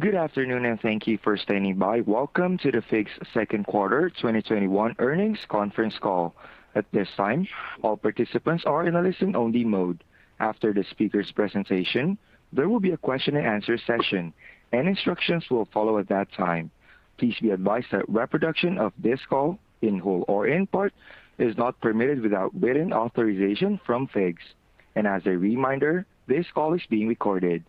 Good afternoon, and thank you for standing by. Welcome to the FIGS Second Quarter 2021 Earnings Conference Call. At this time, all participants are in a listen-only mode. After the speakers' presentation, there will be a question and answer session, and instructions will follow at that time. Please be advised that reproduction of this call in whole or in part is not permitted without written authorization from FIGS. As a reminder, this call is being recorded.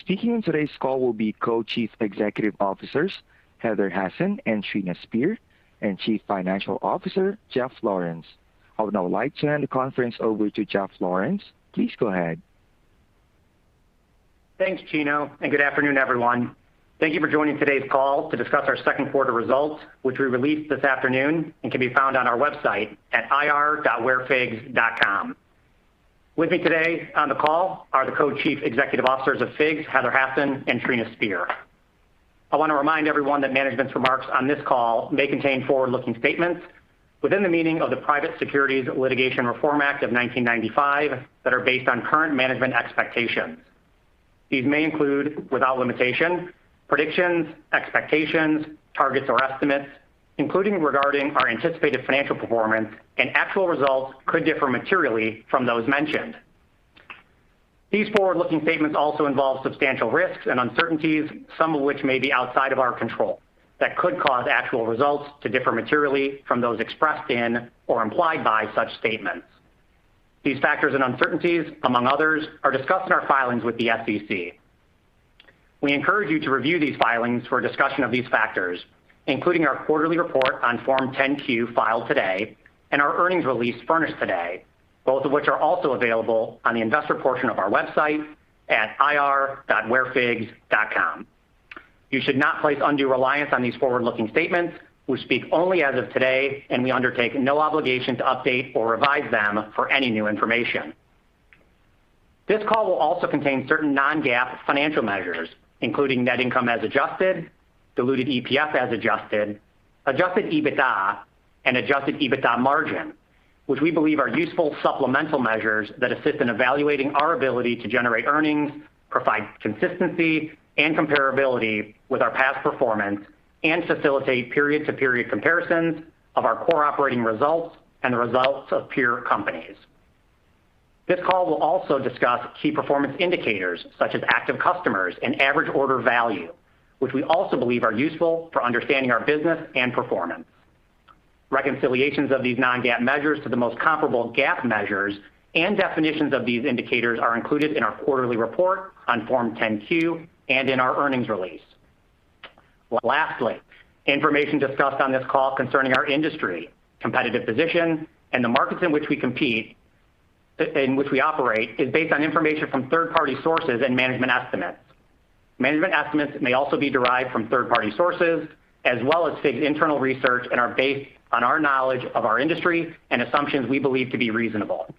Speaking on today's call will be Co-Chief Executive Officers, Heather Hasson and Trina Spear, and Chief Financial Officer, Jeff Lawrence. I would now like to hand the conference over to Jeff Lawrence. Please go ahead. Thanks, Gino. Good afternoon, everyone. Thank you for joining today's call to discuss our second quarter results, which we released this afternoon and can be found on our website at ir.wearfigs.com. With me today on the call are the Co-Chief Executive Officers of FIGS, Heather Hasson and Trina Spear. I wanna remind everyone that management's remarks on this call may contain forward-looking statements within the meaning of the Private Securities Litigation Reform Act of 1995 that are based on current management expectations. These may include, without limitation, predictions, expectations, targets, or estimates, including regarding our anticipated financial performance, and actual results could differ materially from those mentioned. These forward-looking statements also involve substantial risks and uncertainties, some of which may be outside of our control, that could cause actual results to differ materially from those expressed in or implied by such statements. These factors and uncertainties, among others, are discussed in our filings with the SEC. We encourage you to review these filings for a discussion of these factors, including our quarterly report on Form 10-Q filed today, and our earnings release furnished today, both of which are also available on the investor portion of our website at ir.wearfigs.com. You should not place undue reliance on these forward-looking statements, who speak only as of today, and we undertake no obligation to update or revise them for any new information. This call will also contain certain non-GAAP financial measures, including net income as adjusted, diluted EPS as adjusted, adjusted EBITDA, and adjusted EBITDA margin, which we believe are useful supplemental measures that assist in evaluating our ability to generate earnings, provide consistency and comparability with our past performance, and facilitate period-to-period comparisons of our core operating results and the results of peer companies. This call will also discuss key performance indicators, such as active customers and average order value, which we also believe are useful for understanding our business and performance. Reconciliations of these non-GAAP measures to the most comparable GAAP measures and definitions of these indicators are included in our quarterly report on Form 10-Q and in our earnings release. Lastly, information discussed on this call concerning our industry, competitive position, and the markets in which we operate, is based on information from third-party sources and management estimates. Management estimates may also be derived from third-party sources as well as FIGS' internal research and are based on our knowledge of our industry and assumptions we believe to be reasonable.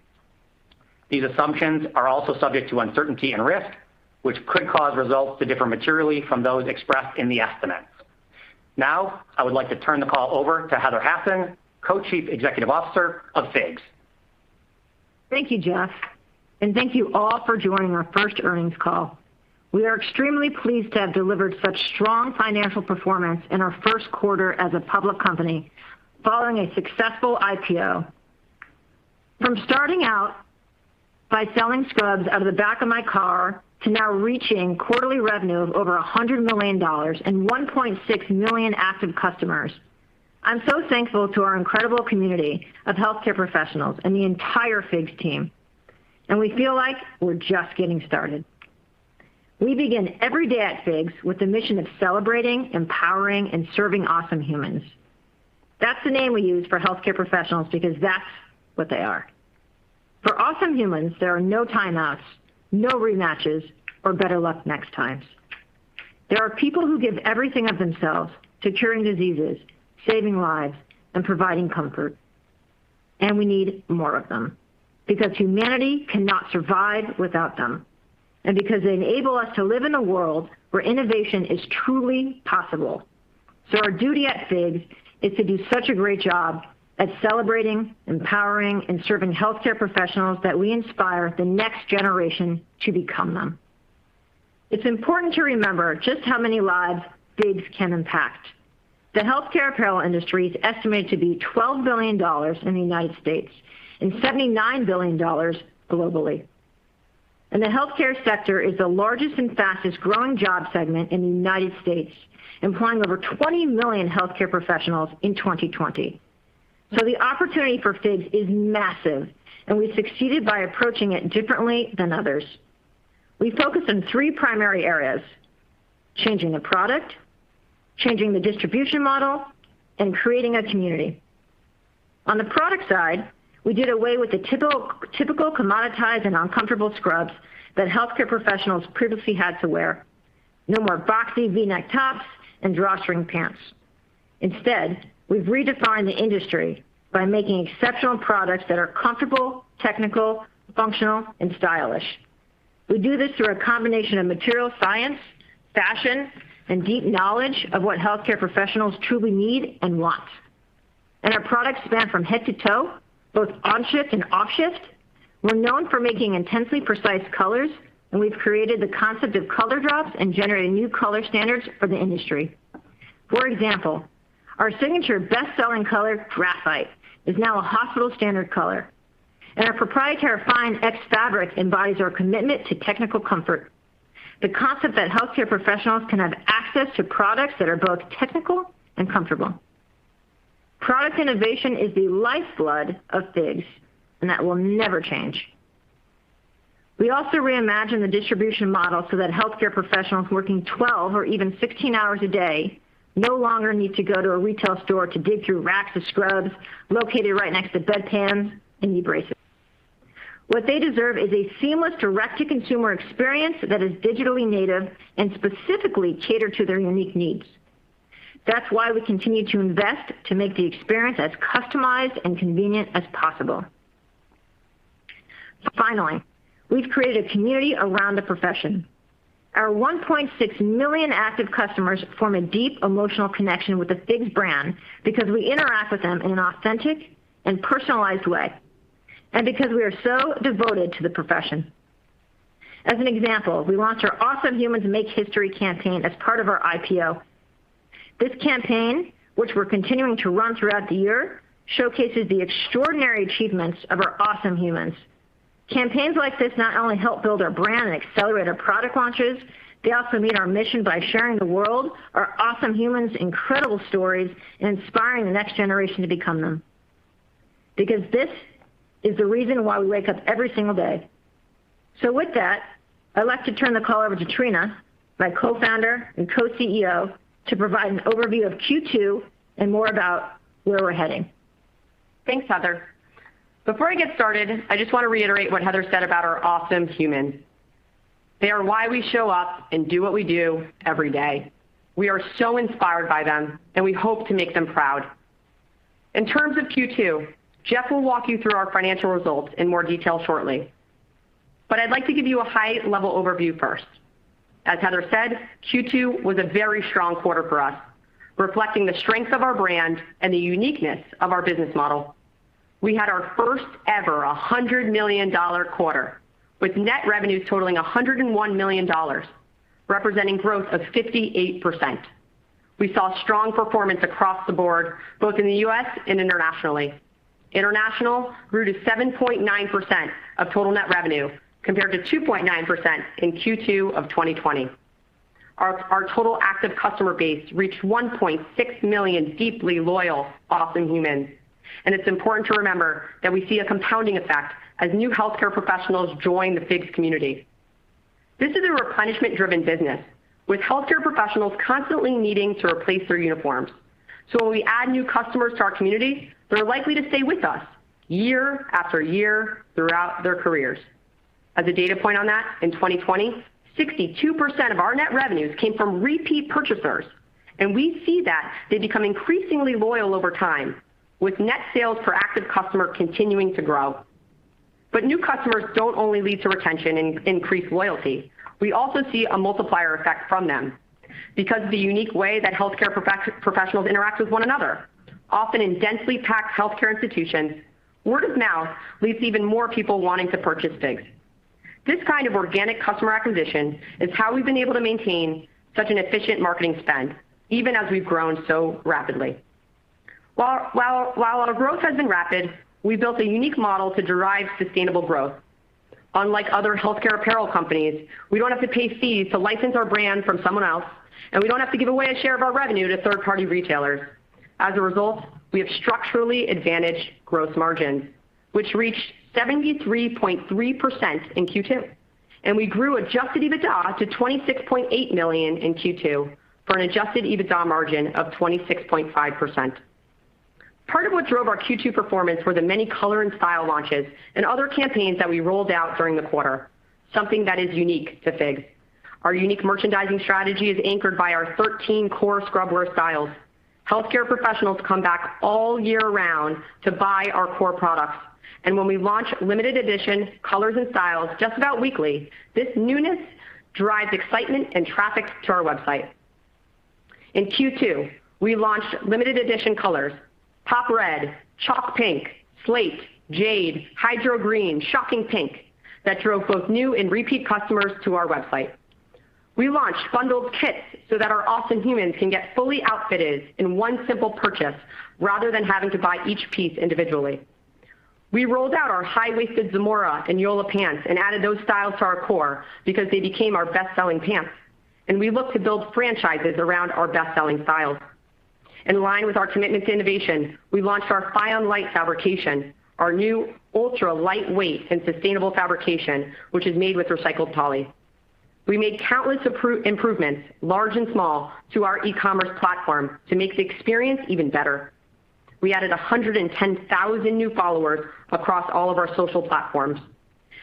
These assumptions are also subject to uncertainty and risk, which could cause results to differ materially from those expressed in the estimates. I would like to turn the call over to Heather Hasson, Co-Chief Executive Officer of FIGS. Thank you, Jeff, and thank you all for joining our first earnings call. We are extremely pleased to have delivered such strong financial performance in our first quarter as a public company following a successful IPO. From starting out by selling scrubs out of the back of my car to now reaching quarterly revenue of over $100 million and 1.6 million active customers, I'm so thankful to our incredible community of healthcare professionals and the entire FIGS team, we feel like we're just getting started. We begin every day at FIGS with the mission of celebrating, empowering, and serving Awesome Humans. That's the name we use for healthcare professionals because that's what they are. For Awesome Humans, there are no timeouts, no rematches, or better luck next times. They are people who give everything of themselves to curing diseases, saving lives, and providing comfort, and we need more of them because humanity cannot survive without them, and because they enable us to live in a world where innovation is truly possible. Our duty at FIGS is to do such a great job at celebrating, empowering, and serving healthcare professionals that we inspire the next generation to become them. It's important to remember just how many lives FIGS can impact. The healthcare apparel industry is estimated to be $12 billion in the United States and $79 billion globally. The healthcare sector is the largest and fastest growing job segment in the United States, employing over 20 million healthcare professionals in 2020. The opportunity for FIGS is massive, and we've succeeded by approaching it differently than others. We focus on three primary areas: changing the product, changing the distribution model, and creating a community. On the product side, we did away with the typical commoditized and uncomfortable scrubs that healthcare professionals previously had to wear. No more boxy V-neck tops and drawstring pants. Instead, we've redefined the industry by making exceptional products that are comfortable, technical, functional, and stylish. We do this through a combination of material science, fashion, and deep knowledge of what healthcare professionals truly need and want. Our products span from head to toe, both On-Shift and Off-Shift. We're known for making intensely precise colors, and we've created the concept of color drops and generating new color standards for the industry. For example, our signature best-selling color, graphite, is now a hospital standard color. Our proprietary FIONx fabric embodies our commitment to technical comfort. The concept that healthcare professionals can have access to products that are both technical and comfortable. Product innovation is the lifeblood of FIGS, and that will never change. We also reimagined the distribution model so that healthcare professionals working 12 or even 16 hours a day no longer need to go to a retail store to dig through racks of scrubs located right next to bed pans and knee braces. What they deserve is a seamless direct-to-consumer experience that is digitally native and specifically catered to their unique needs. That's why we continue to invest to make the experience as customized and convenient as possible. Finally, we've created a community around the profession. Our 1.6 million active customers form a deep emotional connection with the FIGS brand because we interact with them in an authentic and personalized way, and because we are so devoted to the profession. As an example, we launched our Awesome Humans Make History campaign as part of our IPO. This campaign, which we're continuing to run throughout the year, showcases the extraordinary achievements of our Awesome Humans. Campaigns like this not only help build our brand and accelerate our product launches, they also meet our mission by sharing the world our Awesome Humans' incredible stories and inspiring the next generation to become them. Because this is the reason why we wake up every single day. With that, I'd like to turn the call over to Trina, my co-founder and co-CEO, to provide an overview of Q2 and more about where we're heading. Thanks, Heather. Before I get started, I just want to reiterate what Heather said about our Awesome Humans. They are why we show up and do what we do every day. We are so inspired by them, and we hope to make them proud. In terms of Q2, Jeff will walk you through our financial results in more detail shortly. I'd like to give you a high-level overview first. As Heather said, Q2 was a very strong quarter for us, reflecting the strength of our brand and the uniqueness of our business model. We had our first ever $100 million quarter, with net revenues totaling $101 million, representing growth of 58%. We saw strong performance across the board, both in the U.S. and internationally. International grew to 7.9% of total net revenue, compared to 2.9% in Q2 of 2020. Our total active customer base reached 1.6 million deeply loyal, Awesome Humans. It's important to remember that we see a compounding effect as new healthcare professionals join the FIGS community. This is a replenishment-driven business, with healthcare professionals constantly needing to replace their uniforms. When we add new customers to our community, they're likely to stay with us year after year throughout their careers. As a data point on that, in 2020, 62% of our net revenues came from repeat purchasers, and we see that they become increasingly loyal over time, with net sales per active customer continuing to grow. New customers don't only lead to retention and increased loyalty. We also see a multiplier effect from them. Because of the unique way that healthcare professionals interact with one another, often in densely packed healthcare institutions, word of mouth leads to even more people wanting to purchase FIGS. This kind of organic customer acquisition is how we've been able to maintain such an efficient marketing spend, even as we've grown so rapidly. While our growth has been rapid, we built a unique model to derive sustainable growth. Unlike other healthcare apparel companies, we don't have to pay fees to license our brand from someone else, and we don't have to give away a share of our revenue to third-party retailers. As a result, we have structurally advantaged gross margins, which reached 73.3% in Q2. We grew adjusted EBITDA to $26.8 million in Q2 for an adjusted EBITDA margin of 26.5%. Part of what drove our Q2 performance were the many color and style launches and other campaigns that we rolled out during the quarter, something that is unique to FIGS. Our unique merchandising strategy is anchored by our 13 core scrub wear styles. Healthcare professionals come back all year round to buy our core products. When we launch limited edition colors and styles just about weekly, this newness drives excitement and traffic to our website. In Q2, we launched limited edition colors, Pop Red, Chalk Pink, Slate, Jade, Hydrogreen, Shocking Pink, that drove both new and repeat customers to our website. We launched bundled kits so that our Awesome Humans can get fully outfitted in one simple purchase rather than having to buy each piece individually. We rolled out our high-waisted Zamora and Yola pants and added those styles to our core because they became our best-selling pants. We look to build franchises around our best-selling styles. In line with our commitment to innovation, we launched our FIONlite fabrication, our new ultra-lightweight and sustainable fabrication, which is made with recycled poly. We made countless improvements, large and small, to our e-commerce platform to make the experience even better. We added 110,000 new followers across all of our social platforms.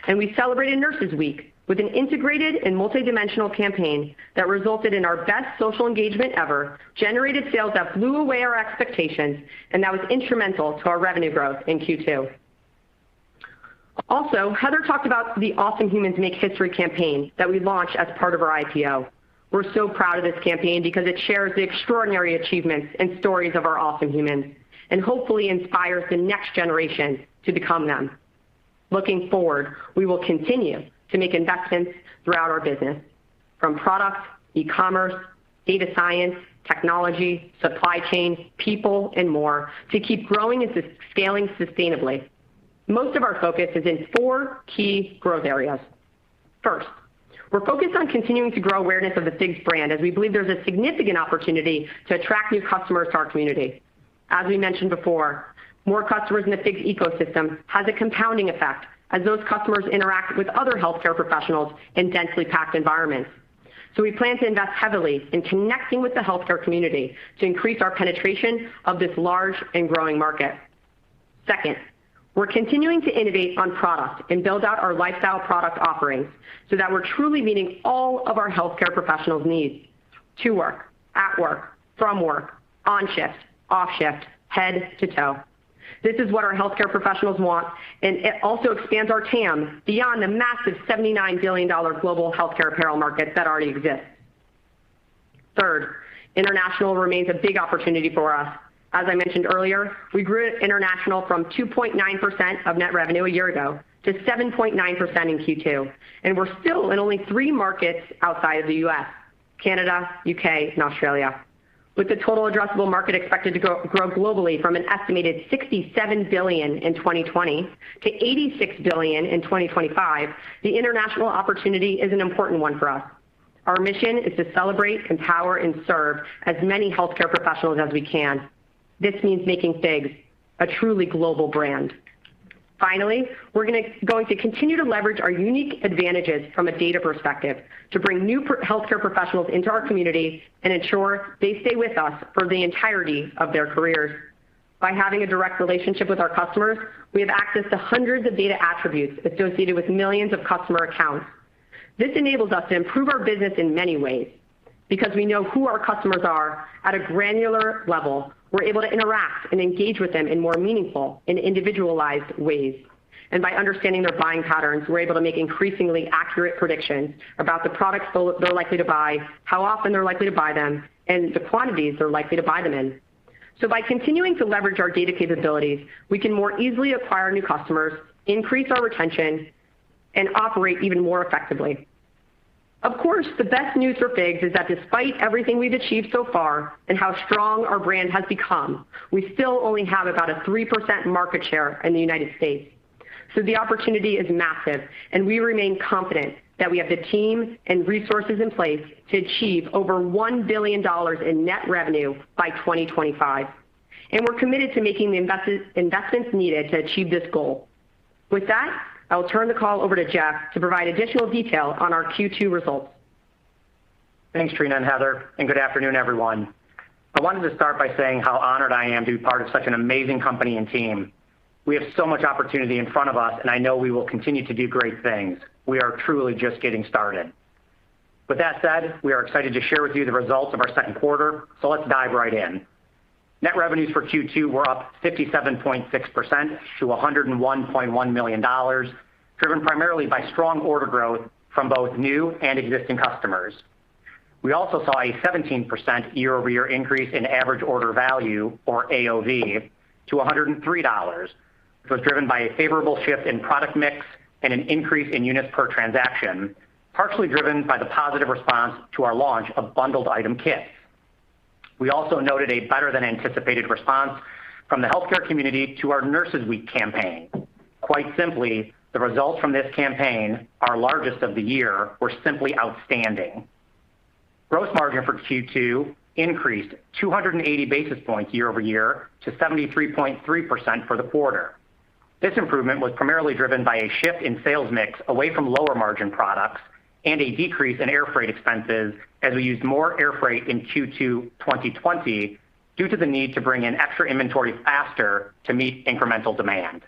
We celebrated Nurses Week with an integrated and multidimensional campaign that resulted in our best social engagement ever, generated sales that blew away our expectations, and that was instrumental to our revenue growth in Q2. Also, Heather talked about the Awesome Humans Make History campaign that we launched as part of our IPO. We're so proud of this campaign because it shares the extraordinary achievements and stories of our Awesome Humans and hopefully inspires the next generation to become them. Looking forward, we will continue to make investments throughout our business from product, e-commerce, data science, technology, supply chain, people, and more to keep growing and scaling sustainably. Most of our focus is in four key growth areas. First, we're focused on continuing to grow awareness of the FIGS brand, as we believe there's a significant opportunity to attract new customers to our community. As we mentioned before, more customers in the FIGS ecosystem has a compounding effect as those customers interact with other healthcare professionals in densely packed environments. We plan to invest heavily in connecting with the healthcare community to increase our penetration of this large and growing market. Second, we're continuing to innovate on product and build out our lifestyle product offerings so that we're truly meeting all of our healthcare professionals' needs to work, at work, from work, on shift, off shift, head to toe. This is what our healthcare professionals want, and it also expands our TAM beyond the massive $79 billion global healthcare apparel market that already exists. Third, international remains a big opportunity for us. As I mentioned earlier, we grew international from 2.9% of net revenue a year ago to 7.9% in Q2, and we're still in only three markets outside of the U.S. Canada, U.K., and Australia. With the total addressable market expected to grow globally from an estimated $67 billion in 2020 to $86 billion in 2025, the international opportunity is an important one for us. Our mission is to celebrate, empower, and serve as many healthcare professionals as we can. This means making FIGS a truly global brand. Finally, we're going to continue to leverage our unique advantages from a data perspective to bring new healthcare professionals into our community and ensure they stay with us for the entirety of their careers. By having a direct relationship with our customers, we have access to hundreds of data attributes associated with millions of customer accounts. This enables us to improve our business in many ways. Because we know who our customers are at a granular level, we're able to interact and engage with them in more meaningful and individualized ways. By understanding their buying patterns, we're able to make increasingly accurate predictions about the products they're likely to buy, how often they're likely to buy them, and the quantities they're likely to buy them in. By continuing to leverage our data capabilities, we can more easily acquire new customers, increase our retention, and operate even more effectively. Of course, the best news for FIGS is that despite everything we've achieved so far and how strong our brand has become, we still only have about a 3% market share in the United States. The opportunity is massive, and we remain confident that we have the teams and resources in place to achieve over $1 billion in net revenue by 2025, and we're committed to making the investments needed to achieve this goal. With that, I will turn the call over to Jeff to provide additional detail on our Q2 results. Thanks, Trina and Heather, and good afternoon, everyone. I wanted to start by saying how honored I am to be part of such an amazing company and team. We have so much opportunity in front of us, and I know we will continue to do great things. We are truly just getting started. With that said, we are excited to share with you the results of our second quarter, let's dive right in. Net revenues for Q2 were up 57.6% to $101.1 million, driven primarily by strong order growth from both new and existing customers. We also saw a 17% year-over-year increase in average order value, or AOV, to $103, which was driven by a favorable shift in product mix and an increase in units per transaction, partially driven by the positive response to our launch of bundled item kits. We also noted a better than anticipated response from the healthcare community to our Nurses Week campaign. Quite simply, the results from this campaign, our largest of the year, were simply outstanding. Gross margin for Q2 increased 280 basis points year-over-year to 73.3% for the quarter. This improvement was primarily driven by a shift in sales mix away from lower margin products and a decrease in air freight expenses as we used more air freight in Q2 2020 due to the need to bring in extra inventory faster to meet incremental demand.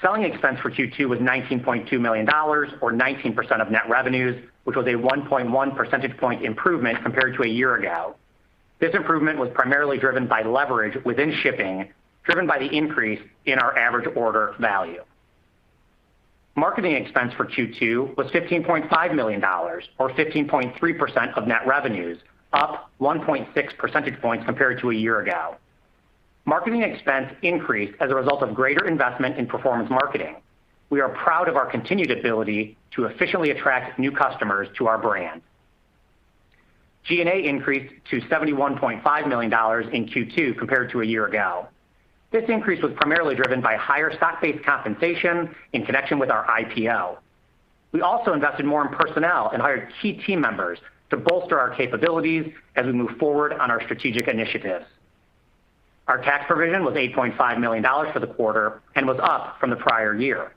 Selling expense for Q2 was $19.2 million, or 19% of net revenues, which was a 1.1 percentage point improvement compared to a year ago. This improvement was primarily driven by leverage within shipping, driven by the increase in our average order value. Marketing expense for Q2 was $15.5 million, or 15.3% of net revenues, up 1.6 percentage points compared to a year ago. Marketing expense increased as a result of greater investment in performance marketing. We are proud of our continued ability to efficiently attract new customers to our brand. G&A increased to $71.5 million in Q2 compared to a year ago. This increase was primarily driven by higher stock-based compensation in connection with our IPO. We also invested more in personnel and hired key team members to bolster our capabilities as we move forward on our strategic initiatives. Our tax provision was $8.5 million for the quarter and was up from the prior year.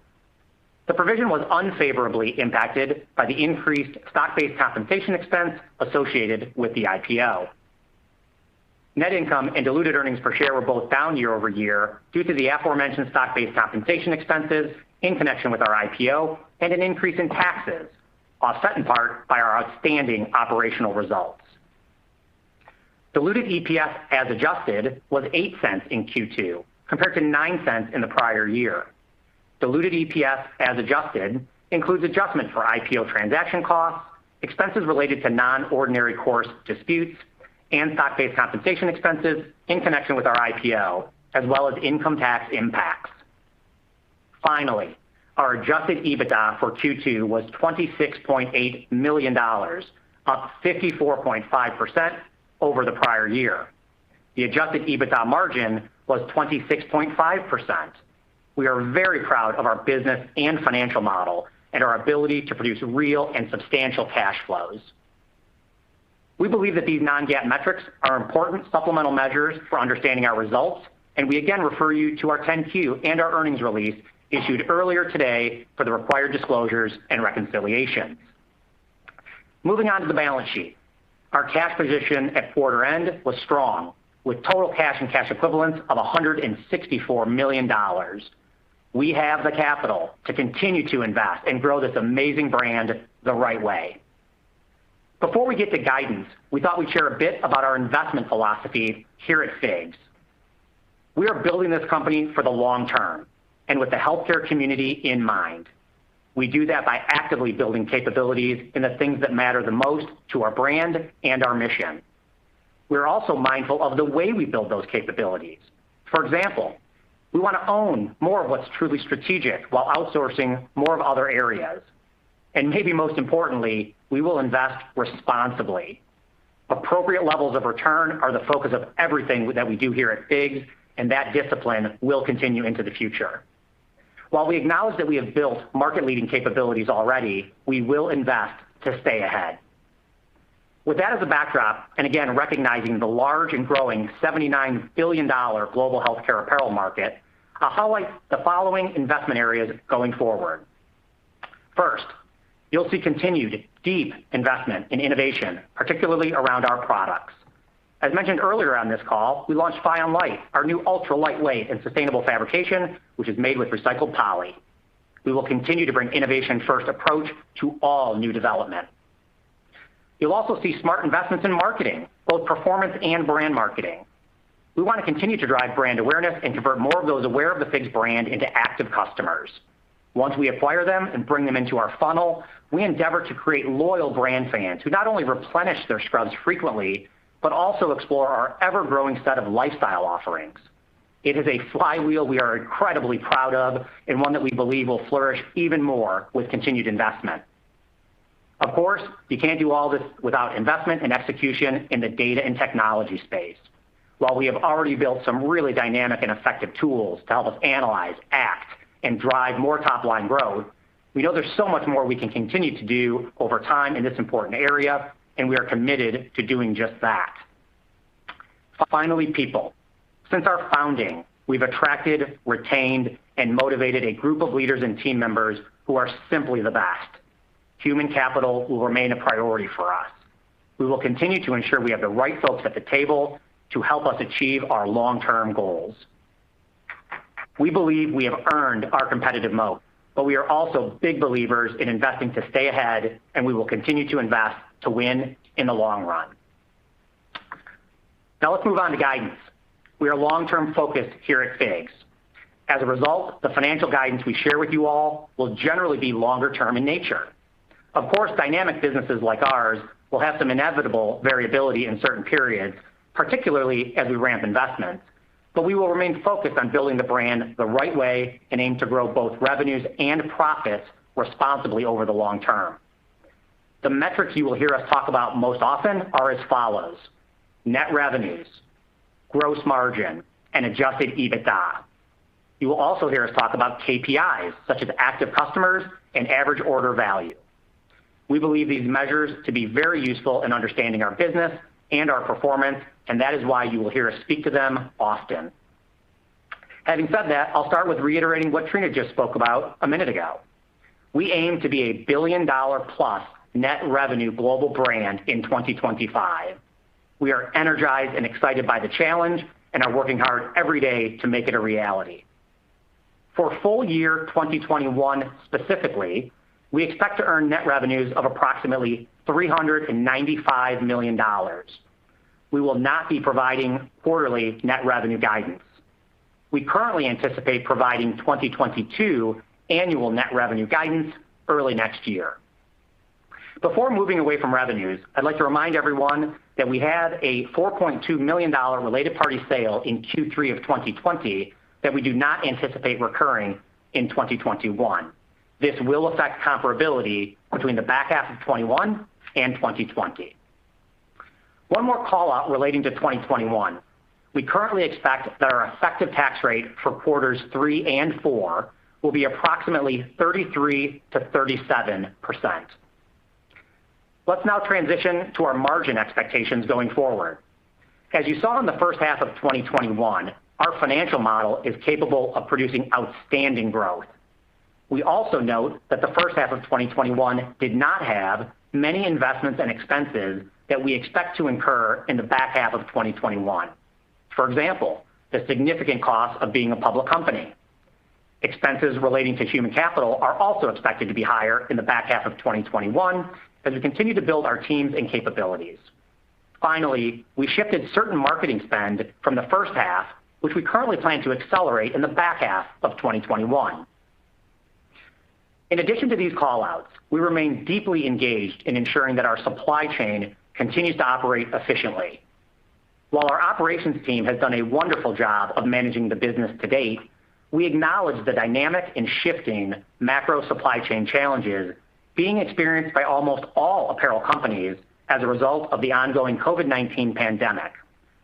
The provision was unfavorably impacted by the increased stock-based compensation expense associated with the IPO. Net income and diluted earnings per share were both down year-over-year due to the aforementioned stock-based compensation expenses in connection with our IPO and an increase in taxes, offset in part by our outstanding operational results. Diluted EPS as adjusted was $0.08 in Q2, compared to $0.09 in the prior year. Diluted EPS as adjusted includes adjustment for IPO transaction costs, expenses related to non-ordinary course disputes, and stock-based compensation expenses in connection with our IPO, as well as income tax impacts. Our adjusted EBITDA for Q2 was $26.8 million, up 54.5% over the prior year. The adjusted EBITDA margin was 26.5%. We are very proud of our business and financial model and our ability to produce real and substantial cash flows. We believe that these non-GAAP metrics are important supplemental measures for understanding our results. We again refer you to our 10-Q and our earnings release issued earlier today for the required disclosures and reconciliations. Moving on to the balance sheet. Our cash position at quarter end was strong, with total cash and cash equivalents of $164 million. We have the capital to continue to invest and grow this amazing brand the right way. Before we get to guidance, we thought we'd share a bit about our investment philosophy here at FIGS. We are building this company for the long term and with the healthcare community in mind. We do that by actively building capabilities in the things that matter the most to our brand and our mission. We're also mindful of the way we build those capabilities. For example, we wanna own more of what's truly strategic while outsourcing more of other areas. Maybe most importantly, we will invest responsibly. Appropriate levels of return are the focus of everything that we do here at FIGS, and that discipline will continue into the future. While we acknowledge that we have built market-leading capabilities already, we will invest to stay ahead. With that as a backdrop, again, recognizing the large and growing $79 billion global healthcare apparel market, I'll highlight the following investment areas going forward. First, you'll see continued deep investment in innovation, particularly around our products. As mentioned earlier on this call, we launched FIONlite, our new ultra-lightweight and sustainable fabrication, which is made with recycled poly. We will continue to bring innovation first approach to all new development. You'll also see smart investments in marketing, both performance and brand marketing. We wanna continue to drive brand awareness and convert more of those aware of the FIGS brand into active customers. Once we acquire them and bring them into our funnel, we endeavor to create loyal brand fans who not only replenish their scrubs frequently, but also explore our ever-growing set of lifestyle offerings. It is a flywheel we are incredibly proud of, and one that we believe will flourish even more with continued investment. Of course, you can't do all this without investment and execution in the data and technology space. While we have already built some really dynamic and effective tools to help us analyze, act, and drive more top-line growth, we know there's so much more we can continue to do over time in this important area, and we are committed to doing just that. Finally, people. Since our founding, we've attracted, retained, and motivated a group of leaders and team members who are simply the best. Human capital will remain a priority for us. We will continue to ensure we have the right folks at the table to help us achieve our long-term goals. We believe we have earned our competitive moat, but we are also big believers in investing to stay ahead, and we will continue to invest to win in the long run. Now let's move on to guidance. We are long-term focused here at FIGS. As a result, the financial guidance we share with you all will generally be longer-term in nature. Of course, dynamic businesses like ours will have some inevitable variability in certain periods, particularly as we ramp investments. We will remain focused on building the brand the right way and aim to grow both revenues and profits responsibly over the long term. The metrics you will hear us talk about most often are as follows. Net revenues, gross margin, and adjusted EBITDA. You will also hear us talk about KPIs such as active customers and average order value. We believe these measures to be very useful in understanding our business and our performance, and that is why you will hear us speak to them often. Having said that, I'll start with reiterating what Trina just spoke about a minute ago. We aim to be a $1 billion+ net revenue global brand in 2025. We are energized and excited by the challenge and are working hard every day to make it a reality. For full year 2021 specifically, we expect to earn net revenues of approximately $395 million. We will not be providing quarterly net revenue guidance. We currently anticipate providing 2022 annual net revenue guidance early next year. Before moving away from revenues, I'd like to remind everyone that we had a $4.2 million related party sale in Q3 of 2020 that we do not anticipate recurring in 2021. This will affect comparability between the back half of 2021 and 2020. One more call out relating to 2021. We currently expect that our effective tax rate for quarters three and four will be approximately 33%-37%. Let's now transition to our margin expectations going forward. As you saw in the first half of 2021, our financial model is capable of producing outstanding growth. We also note that the first half of 2021 did not have many investments and expenses that we expect to incur in the back half of 2021. For example, the significant cost of being a public company. Expenses relating to human capital are also expected to be higher in the back half of 2021 as we continue to build our teams and capabilities. Finally, we shifted certain marketing spend from the first half, which we currently plan to accelerate in the back half of 2021. In addition to these call-outs, we remain deeply engaged in ensuring that our supply chain continues to operate efficiently. While our operations team has done a wonderful job of managing the business to date, we acknowledge the dynamic and shifting macro supply chain challenges being experienced by almost all apparel companies as a result of the ongoing COVID-19 pandemic,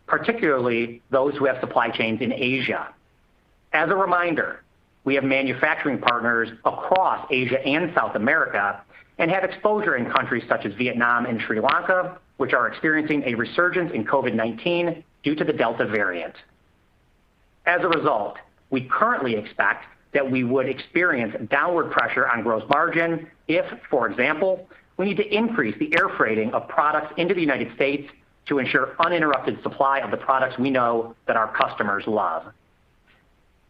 particularly those who have supply chains in Asia. As a reminder, we have manufacturing partners across Asia and South America, and have exposure in countries such as Vietnam and Sri Lanka, which are experiencing a resurgence in COVID-19 due to the Delta variant. As a result, we currently expect that we would experience downward pressure on gross margin if, for example, we need to increase the air freighting of products into the United States to ensure uninterrupted supply of the products we know that our customers love.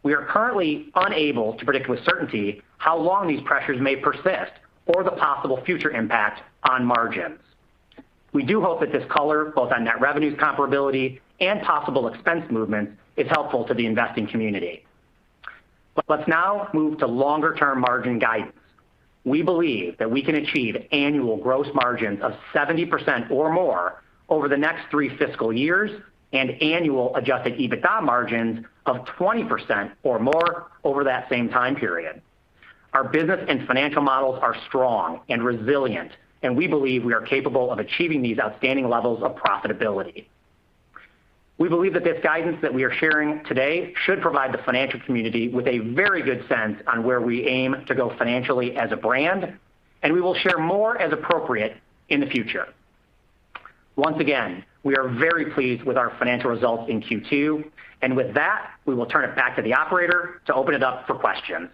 We are currently unable to predict with certainty how long these pressures may persist or the possible future impact on margins. We do hope that this color, both on net revenues comparability and possible expense movements, is helpful to the investing community. Let's now move to longer term margin guidance. We believe that we can achieve annual gross margins of 70% or more over the next three fiscal years, and annual adjusted EBITDA margins of 20% or more over that same time period. Our business and financial models are strong and resilient, and we believe we are capable of achieving these outstanding levels of profitability. We believe that this guidance that we are sharing today should provide the financial community with a very good sense on where we aim to go financially as a brand, and we will share more as appropriate in the future. Once again, we are very pleased with our financial results in Q2, and with that, we will turn it back to the operator to open it up for questions.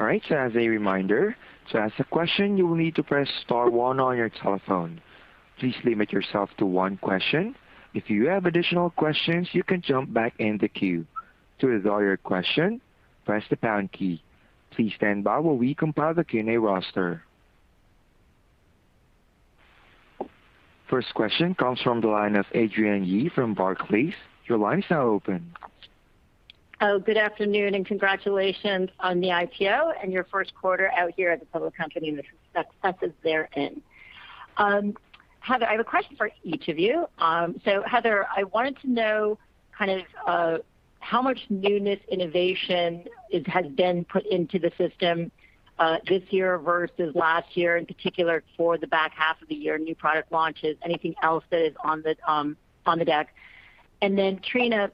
All right. As a reminder, to ask a question, you will need to press star one on your telephone. Please limit yourself to one question. If you have additional questions, you can jump back in the queue. To withdraw your question, press the pound key. Please stand by while we compile the Q&A roster. First question comes from the line of Adrienne Yih from Barclays. Your line is now open. Good afternoon, congratulations on the IPO and your first quarter out here as a public company and the successes therein. Heather, I have a question for each of you. Heather, I wanted to know kind of, how much newness innovation has been put into the system this year versus last year, in particular for the back half of the year, new product launches, anything else that is on the deck. Trina,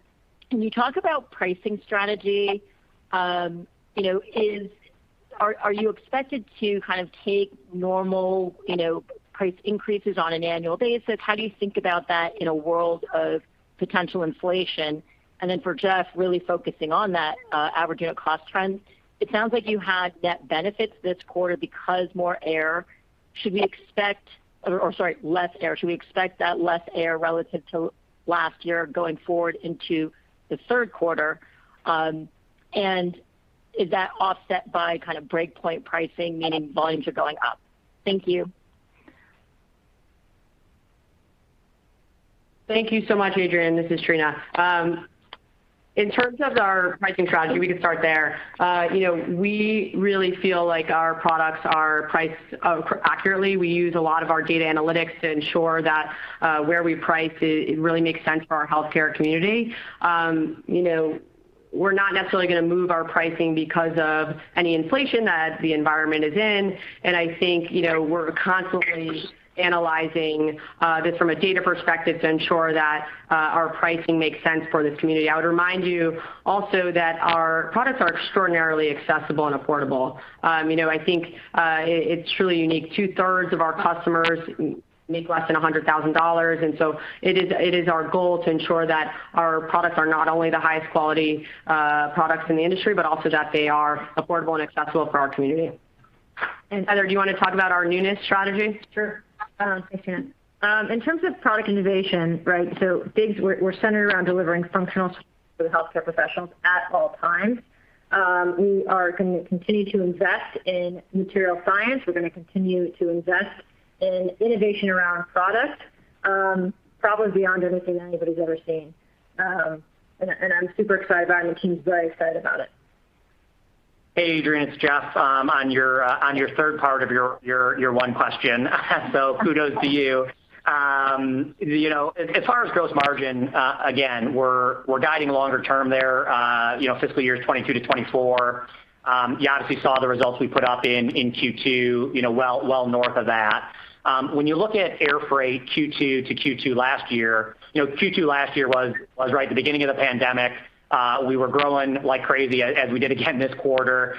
can you talk about pricing strategy? You know, are you expected to kind of take normal, you know, price increases on an annual basis? How do you think about that in a world of potential inflation? For Jeff, really focusing on that average unit cost trends, it sounds like you had net benefits this quarter because more air. Sorry, less air. Should we expect that less air relative to last year going forward into the third quarter? Is that offset by kind of breakpoint pricing, meaning volumes are going up? Thank you. Thank you so much, Adrienne. This is Trina. In terms of our pricing strategy, we can start there. You know, we really feel like our products are priced accurately. We use a lot of our data analytics to ensure that, where we price it really makes sense for our healthcare community. You know, we're not necessarily gonna move our pricing because of any inflation that the environment is in. I think, you know, we're constantly analyzing this from a data perspective to ensure that our pricing makes sense for this community. I would remind you also that our products are extraordinarily accessible and affordable. You know, I think it's truly unique. Two-thirds of our customers make less than $100,000. It is our goal to ensure that our products are not only the highest quality products in the industry, but also that they are affordable and accessible for our community. Heather, do you wanna talk about our newness strategy? Sure. Thanks, Trina. In terms of product innovation, right, so FIGS, we're centered around delivering functional For the healthcare professionals at all times. We are going to continue to invest in material science. We're going to continue to invest in innovation around product, probably beyond anything anybody's ever seen. I'm super excited about it, and the team's very excited about it. Hey, Adrienne, it's Jeff. On your third part of your one question, kudos to you. You know, as far as gross margin, again, we're guiding longer term there, you know, fiscal years 2022-2024. You obviously saw the results we put up in Q2, you know, well north of that. When you look at air freight Q2 to Q2 last year, you know, Q2 last year was right at the beginning of the pandemic. We were growing like crazy, as we did again this quarter.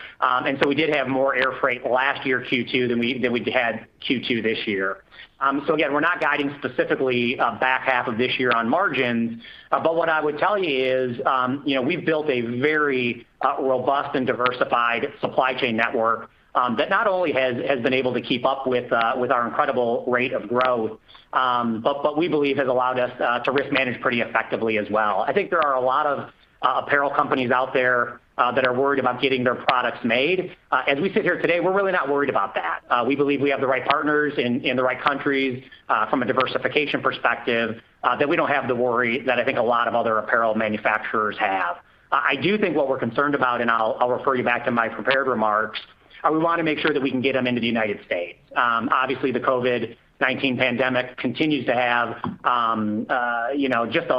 We did have more air freight last year Q2 than we, than we had Q2 this year. Again, we're not guiding specifically, back half of this year on margins. What I would tell you is, you know, we've built a very robust and diversified supply chain network that not only has been able to keep up with our incredible rate of growth, but we believe has allowed us to risk manage pretty effectively as well. I think there are a lot of apparel companies out there that are worried about getting their products made. As we sit here today, we're really not worried about that. We believe we have the right partners in the right countries, from a diversification perspective, that we don't have the worry that I think a lot of other apparel manufacturers have. I do think what we're concerned about, and I'll refer you back to my prepared remarks, we wanna make sure that we can get them into the United States. Obviously the COVID-19 pandemic continues to have, you know, just a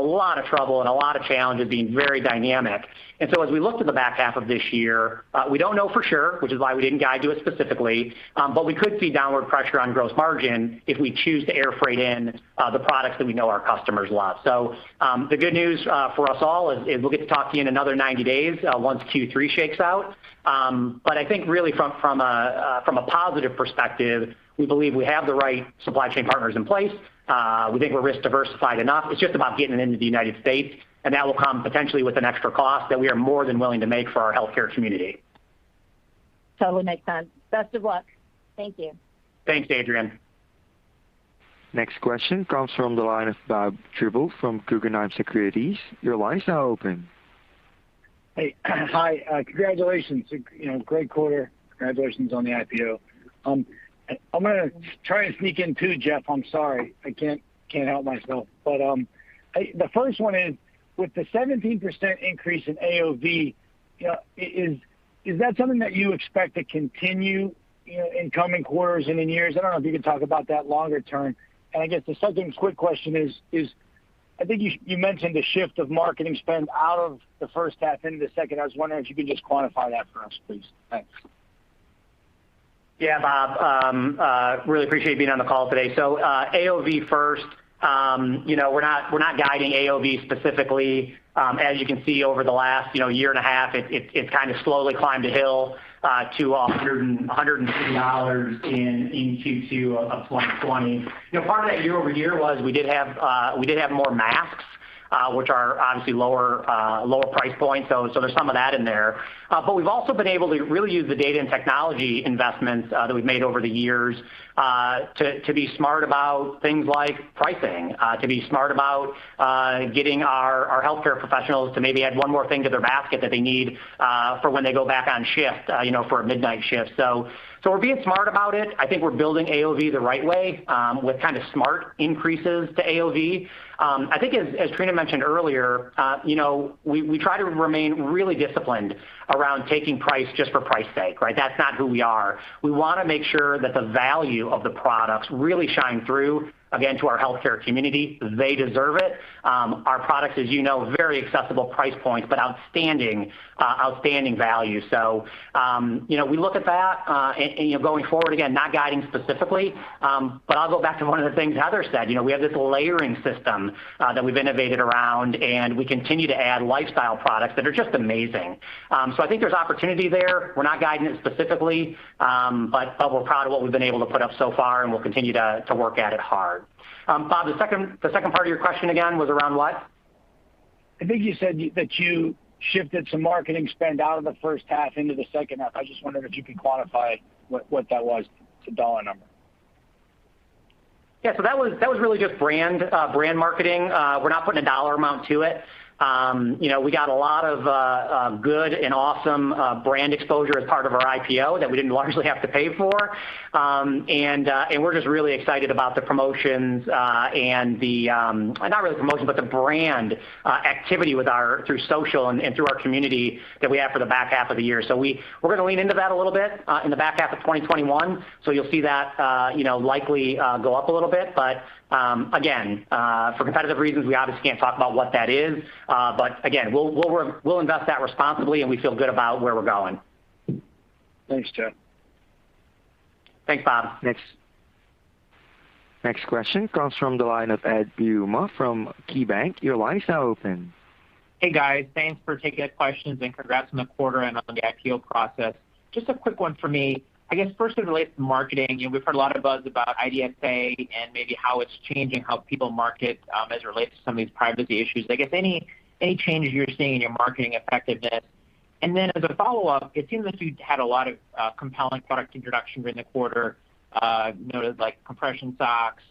lot of trouble and a lot of challenges, being very dynamic. As we look to the back half of this year, we don't know for sure, which is why we didn't guide to it specifically, but we could see downward pressure on gross margin if we choose to air freight in, the products that we know our customers love. The good news for us all is, we'll get to talk to you in another 90 days once Q3 shakes out. I think really from a positive perspective, we believe we have the right supply chain partners in place. We think we're risk diversified enough. It's just about getting it into the United States, and that will come potentially with an extra cost that we are more than willing to make for our healthcare community. Totally makes sense. Best of luck. Thank you. Thanks, Adrienne. Next question comes from the line of Bob Drbul from Guggenheim Securities. Your line's now open. Hey. Hi. Congratulations. You know, great quarter. Congratulations on the IPO. I'm gonna try and sneak in two, Jeff. I'm sorry. I can't help myself. The first one is, with the 17% increase in AOV, is that something that you expect to continue, you know, in coming quarters and in years? I don't know if you can talk about that longer term. I guess the second quick question is, I think you mentioned a shift of marketing spend out of the first half into the second. I was wondering if you could just quantify that for us, please. Thanks. Yeah, Bob. Really appreciate you being on the call today. AOV first, you know, we're not guiding AOV specifically. As you can see over the last, you know, year and a half, it kind of slowly climbed a hill to $150 in Q2 of 2020. You know, part of that year-over-year was we did have more masks, which are obviously lower price point. There's some of that in there. We've also been able to really use the data and technology investments that we've made over the years to be smart about things like pricing, to be smart about getting our healthcare professionals to maybe add one more thing to their basket that they need for when they go back on shift, you know, for a midnight shift. We're being smart about it. I think we're building AOV the right way with kind of smart increases to AOV. I think as Trina mentioned earlier, you know, we try to remain really disciplined around taking price just for price sake, right? That's not who we are. We wanna make sure that the value of the products really shine through, again, to our healthcare community. They deserve it. Our products, as you know, very accessible price points, but outstanding value. You know, we look at that. You know, going forward, again, not guiding specifically, I'll go back to one of the things Heather said. You know, we have this layering system that we've innovated around, we continue to add lifestyle products that are just amazing. I think there's opportunity there. We're not guiding it specifically. We're proud of what we've been able to put up so far, and we'll continue to work at it hard. Bob, the second part of your question again was around what? I think you said that you shifted some marketing spend out of the first half into the second half. I just wondered if you could quantify what that was to dollar number? Yeah. That was really just brand marketing. We're not putting a dollar amount to it. You know, we got a lot of good and awesome brand exposure as part of our IPO that we didn't largely have to pay for. We're just really excited about the promotions and the not really promotions, but the brand activity through social and through our community that we have for the back half of the year. We're going to lean into that a little bit in the back half of 2021. You'll see that, you know, likely go up a little bit. Again, for competitive reasons, we obviously can't talk about what that is. Again, we'll work, we'll invest that responsibly, and we feel good about where we're going. Thanks, Jeff. Thanks, Bob. Next question comes from the line of Ed Yruma from KeyBanc. Your line's now open. Hey, guys. Thanks for taking the questions, and congrats on the quarter and on the IPO process. Just a quick one from me. I guess first it relates to marketing. You know, we've heard a lot of buzz about IDFA and maybe how it's changing how people market as it relates to some of these privacy issues. I guess any changes you're seeing in your marketing effectiveness? As a follow-up, it seems like you've had a lot of compelling product introduction during the quarter, noted, like compression socks,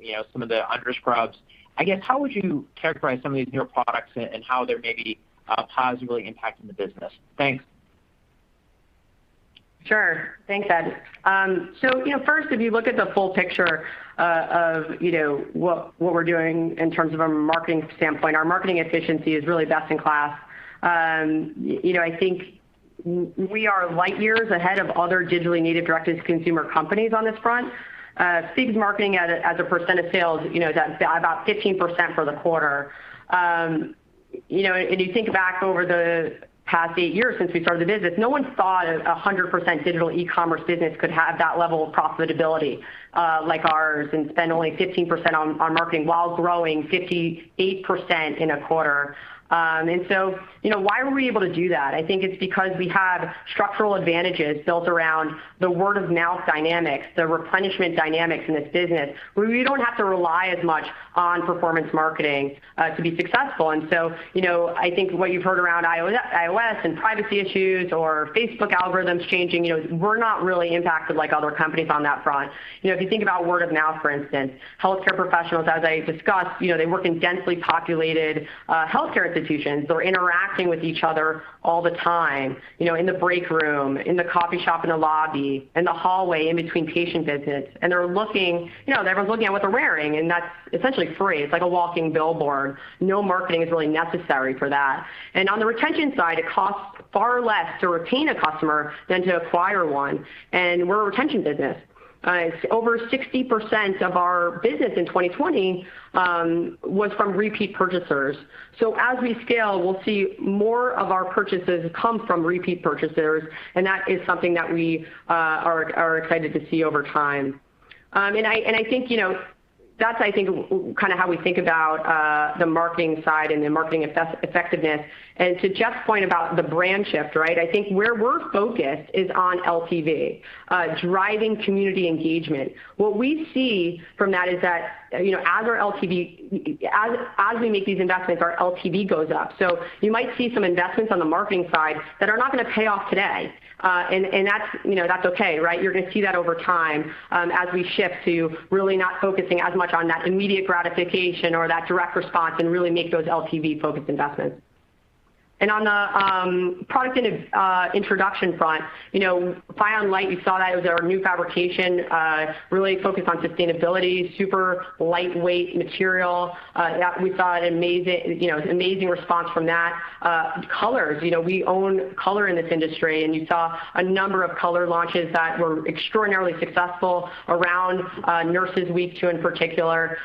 you know, some of the underscrubs. I guess, how would you characterize some of these newer products and how they're maybe positively impacting the business? Thanks. Sure. Thanks, Ed. So, you know, first, if you look at the full picture, of, you know, what we're doing in terms of a marketing standpoint, our marketing efficiency is really best in class. You know, I think we are light years ahead of other digitally native direct-to-consumer companies on this front. FIGS' marketing as a percent of sales, you know, that's about 15% for the quarter. You know, and you think back over the past eight years since we started the business, no one thought a 100% digital e-commerce business could have that level of profitability, like ours and spend only 15% on marketing while growing 58% in a quarter. You know, why were we able to do that? I think it's because we have structural advantages built around the word of mouth dynamics, the replenishment dynamics in this business, where we don't have to rely as much on performance marketing to be successful. You know, I think what you've heard around iOS and privacy issues or Facebook algorithms changing, you know, we're not really impacted like other companies on that front. You know, if you think about word of mouth, for instance, healthcare professionals, as I discussed, you know, they work in densely populated healthcare institutions. They're interacting with each other all the time, you know, in the break room, in the coffee shop, in the lobby, in the hallway, in between patient visits. You know, everyone's looking at what they're wearing, and that's essentially free. It's like a walking billboard. No marketing is really necessary for that. On the retention side, it costs far less to retain a customer than to acquire one, and we're a retention business. Over 60% of our business in 2020 was from repeat purchasers. As we scale, we'll see more of our purchases come from repeat purchasers, and that is something that we are excited to see over time. I think, you know, that's, I think, kind of how we think about the marketing side and the marketing effectiveness. To Jeff's point about the brand shift, right? I think where we're focused is on LTV, driving community engagement. What we see from that is that, you know, as our LTV, as we make these investments, our LTV goes up. You might see some investments on the marketing side that are not gonna pay off today, and that's, you know, that's okay, right? You're gonna see that over time, as we shift to really not focusing as much on that immediate gratification or that direct response and really make those LTV-focused investments. On the product introduction front, you know, FIONlite, you saw that. It was our new fabrication, really focused on sustainability, super lightweight material, that we saw an amazing response from that. Colors. You know, we own color in this industry, and you saw a number of color launches that were extraordinarily successful around Nurses Week, too, in particular,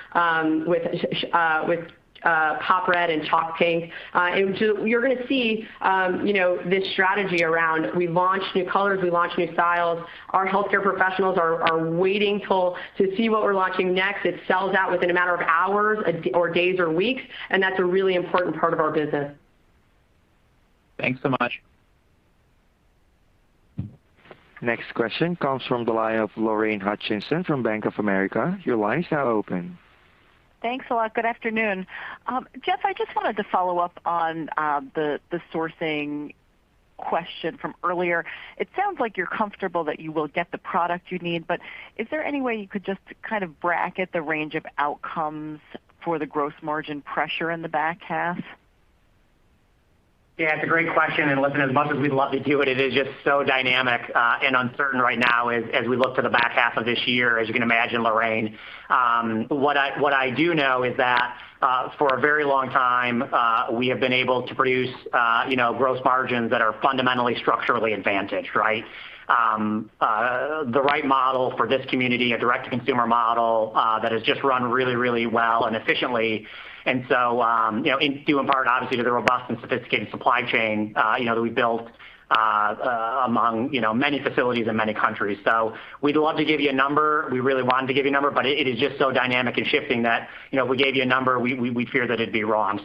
with Pop Red and Chalk Pink. You're gonna see, you know, this strategy around we launch new colors, we launch new styles. Our healthcare professionals are waiting to see what we're launching next. It sells out within a matter of hours or days or weeks, and that's a really important part of our business. Thanks so much. Next question comes from the line of Lorraine Hutchinson from Bank of America. Your line is now open. Thanks a lot. Good afternoon. Jeff, I just wanted to follow up on the sourcing question from earlier. It sounds like you're comfortable that you will get the product you need, but is there any way you could just kind of bracket the range of outcomes for the gross margin pressure in the back half? Yeah, it's a great question, and listen, as much as we'd love to do it is just so dynamic and uncertain right now as we look to the back half of this year, as you can imagine, Lorraine. What I do know is that for a very long time, we have been able to produce, you know, gross margins that are fundamentally structurally advantaged, right? The right model for this community, a direct-to-consumer model that has just run really, really well and efficiently. In due in part obviously to the robust and sophisticated supply chain that we built among many facilities in many countries. We'd love to give you a number. We really wanted to give you a number, but it is just so dynamic and shifting that, you know, if we gave you a number, we'd fear that it'd be wrong.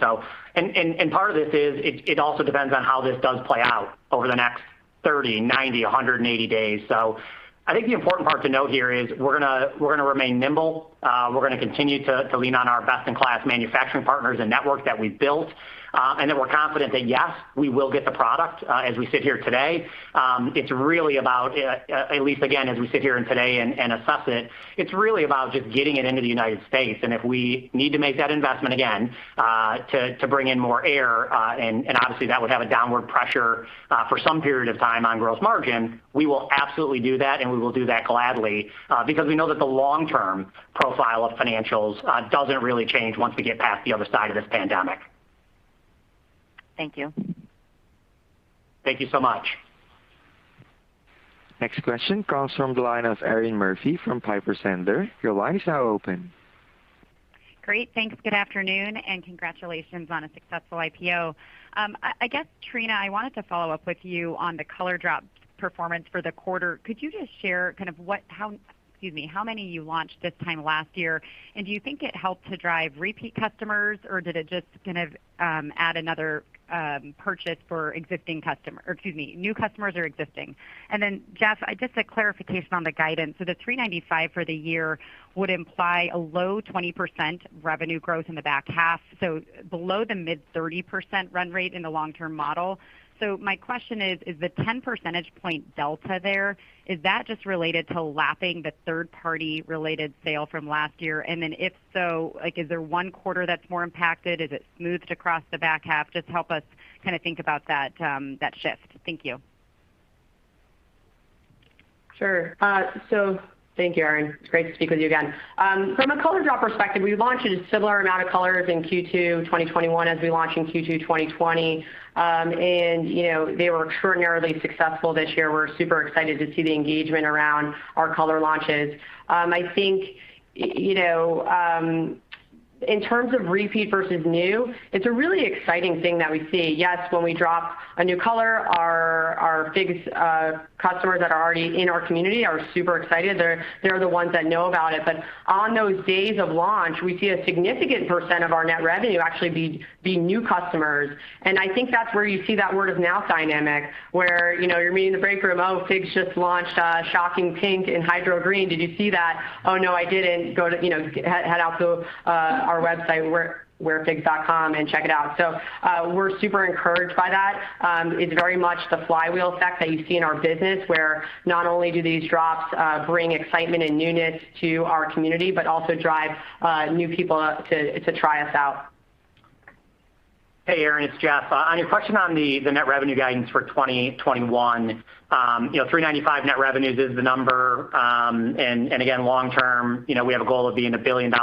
And part of this is it also depends on how this does play out over the next 30, 90, 180 days. I think the important part to note here is we're gonna remain nimble. We're gonna continue to lean on our best-in-class manufacturing partners and network that we've built, and that we're confident that yes, we will get the product, as we sit here today. It's really about, at least again, as we sit here today and assess it's really about just getting it into the United States. If we need to make that investment again, to bring in more air, and obviously that would have a downward pressure, for some period of time on gross margin, we will absolutely do that, and we will do that gladly, because we know that the long-term profile of financials, doesn't really change once we get past the other side of this pandemic. Thank you. Thank you so much. Next question comes from the line of Erinn Murphy from Piper Sandler. Your line is now open. Great. Thanks. Good afternoon, and congratulations on a successful IPO. I guess, Trina, I wanted to follow up with you on the color drop performance for the quarter. Could you just share kind of how many you launched this time last year? Do you think it helped to drive repeat customers, or did it just kind of add another purchase for existing customers, or new customers or existing? Jeff, just a clarification on the guidance. The $395 million for the year would imply a low 20% revenue growth in the back half, so below the mid-30% run rate in the long-term model. My question is the 10 percentage point delta there? Is that just related to lapping the third party related sale from last year? If so, like is there one quarter that's more impacted? Is it smoothed across the back half? Help us kinda think about that shift. Thank you. Thank you, Erinn. It's great to speak with you again. From a color drop perspective, we launched a similar amount of colors in Q2 2021 as we launched in Q2 2020. You know, they were extraordinarily successful this year. We're super excited to see the engagement around our color launches. I think, you know, in terms of repeat versus new, it's a really exciting thing that we see. Yes, when we drop a new color our FIGS' customers that are already in our community are super excited. They're the ones that know about it. On those days of launch, we see a significant percent of our net revenue actually be new customers. I think that's where you see that word of mouth dynamic where, you know, you're meeting in the break room, "Oh, FIGS' just launched Shocking Pink and Hydro Green. Did you see that?" "Oh no, I didn't." Head out to our website wearfigs.com and check it out. We're super encouraged by that. It's very much the flywheel effect that you see in our business where not only do these drops bring excitement and newness to our community, but also drive new people to try us out. Hey, Erinn, it's Jeff. On your question on the net revenue guidance for 2021, $395 million net revenues is the number. Again, long term, we have a goal of being a $1 billion+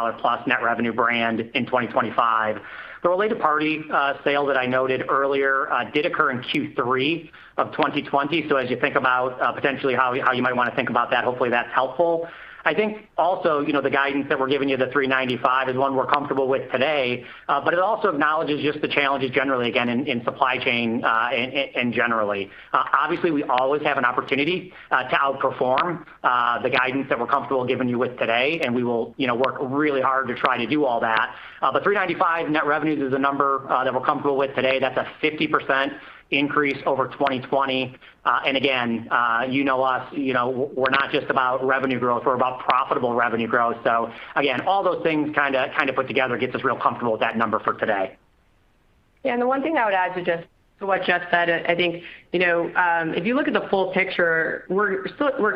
net revenue brand in 2025. The related party sale that I noted earlier did occur in Q3 of 2020. As you think about potentially how you might want to think about that, hopefully that's helpful. I think also, the guidance that we're giving you, the $395 million, is one we're comfortable with today. It also acknowledges just the challenges generally again in supply chain and generally. Obviously we always have an opportunity to outperform the guidance that we're comfortable giving you with today, and we will, you know, work really hard to try to do all that. $395 million net revenues is a number that we're comfortable with today. That's a 50% increase over 2020. Again, you know us. You know, we're not just about revenue growth, we're about profitable revenue growth. Again, all those things kinda put together gets us real comfortable with that number for today. Yeah. The one thing I would add to just to what Jeff said, I think, you know, if you look at the full picture, we're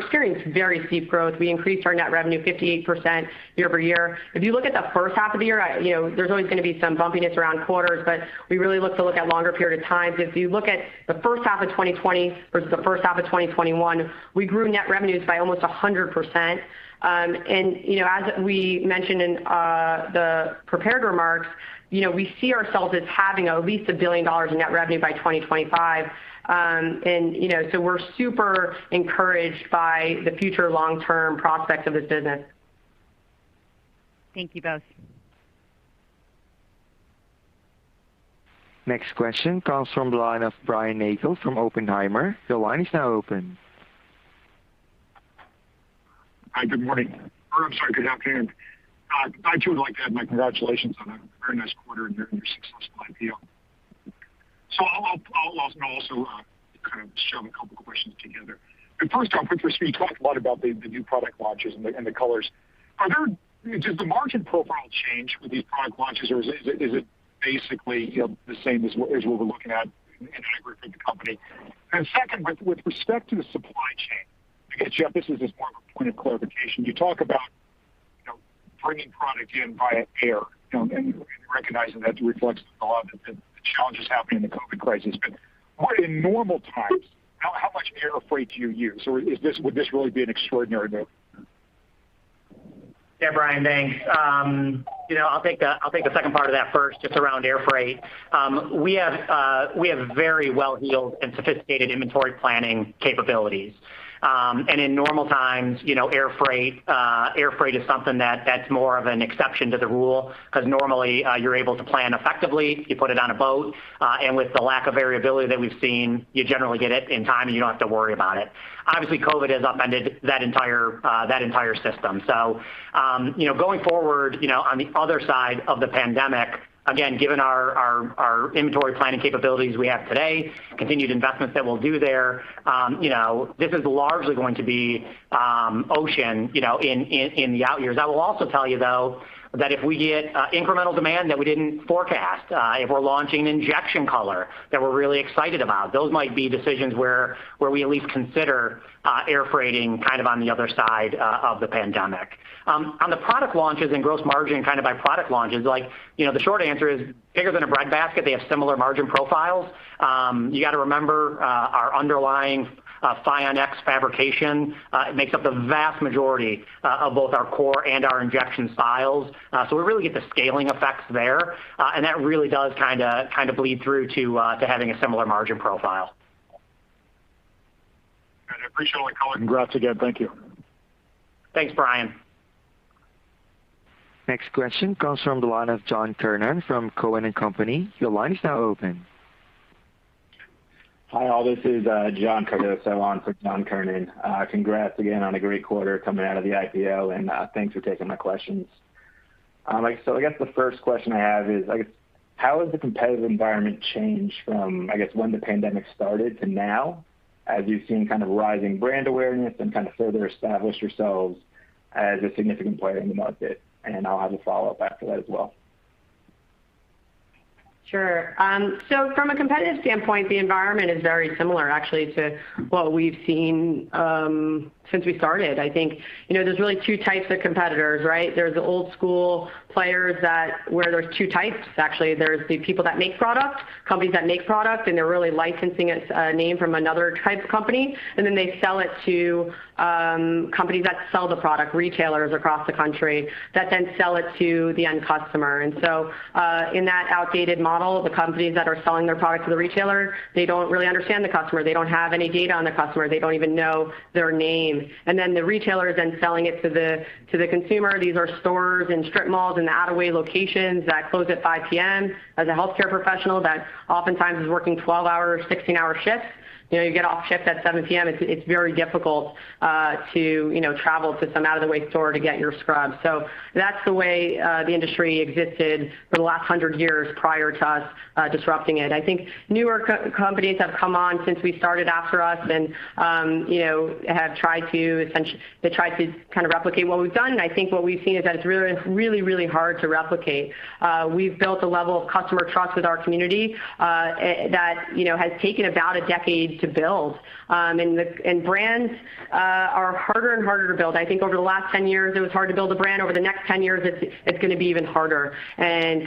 experiencing very steep growth. We increased our net revenue 58% year-over-year. If you look at the first half of the year, you know, there's always gonna be some bumpiness around quarters, but we really look to look at longer period of times. If you look at the first half of 2020 versus the first half of 2021, we grew net revenues by almost 100%. You know, as we mentioned in the prepared remarks, you know, we see ourselves as having at least $1 billion in net revenue by 2025. You know, we're super encouraged by the future long-term prospects of this business. Thank you both. Next question comes from the line of Brian Nagel from Oppenheimer. Your line is now open. Hi, good morning. Or I'm sorry, good afternoon. I too would like to add my congratulations on a very nice quarter and your successful IPO. I'll also kind of shove a couple questions together. First, Jeff, you talked a lot about the new product launches and the colors. Did the margin profile change with these product launches or is it basically, you know, the same as what we're looking at in aggregate for the company? Second, with respect to the supply chain, I guess, Jeff, this is just more of a point of clarification. You talk about, you know, bringing product in via air, you know, and recognizing that reflects a lot of the challenges happening in the COVID-19. What in normal times, how much air freight do you use? Would this really be an extraordinary move? Yeah, Brian. Thanks. you know, I'll take the second part of that first, just around air freight. We have very well-heeled and sophisticated inventory planning capabilities. In normal times, you know, air freight is something that's more of an exception to the rule, because normally, you're able to plan effectively. You put it on a boat, and with the lack of variability that we've seen, you generally get it in time, and you don't have to worry about it. Obviously, COVID has upended that entire system. You know, going forward, you know, on the other side of the pandemic, again, given our inventory planning capabilities we have today, continued investments that we'll do there, you know, this is largely going to be ocean, you know, in the out years. I will also tell you, though, that if we get incremental demand that we didn't forecast, if we're launching an injection color that we're really excited about, those might be decisions where we at least consider air freighting kind of on the other side of the pandemic. On the product launches and gross margin kind of by product launches, like, you know, the short answer is bigger than a breadbasket. They have similar margin profiles. You gotta remember, our underlying FIONx fabrication makes up the vast majority of both our core and our injection styles. We really get the scaling effects there. That really does kinda bleed through to having a similar margin profile. All right. I appreciate all the color. Congrats again. Thank you. Thanks, Brian. Next question comes from the line of John Kernan from Cowen and Company. Your line is now open. Hi, all. This is John Kernan. Congrats again on a great quarter coming out of the IPO, and thanks for taking my questions. I guess the first question I have is, I guess, how has the competitive environment changed from, I guess, when the pandemic started to now as you've seen kind of rising brand awareness and kind of further established yourselves as a significant player in the market? I'll have a follow-up after that as well. Sure. From a competitive standpoint, the environment is very similar actually to what we've seen since we started. I think, you know, there's really two types of competitors, right? There's the old school players where there's two types actually. There's the people that make products, companies that make product, and they're really licensing a name from another type of company, and then they sell it to companies that sell the product, retailers across the country that then sell it to the end customer. In that outdated model, the companies that are selling their product to the retailer, they don't really understand the customer. They don't have any data on the customer. They don't even know their name. The retailer is then selling it to the consumer. These are stores in strip malls, in the out-of-way locations that close at 5:00 P.M. As a healthcare professional that oftentimes is working 12-hour or 16-hour shifts, you know, you get off shift at 7:00 P.M., it's very difficult to, you know, travel to some out-of-the-way store to get your scrubs. That's the way the industry existed for the last 100 years prior to us disrupting it. I think newer co-companies have come on since we started after us and, you know, have tried to they tried to kind of replicate what we've done. I think what we've seen is that it's really hard to replicate. We've built a level of customer trust with our community that, you know, has taken about a decade to build. Brands are harder and harder to build. I think over the last 10 years, it was hard to build a brand. Over the next 10 years, it's gonna be even harder.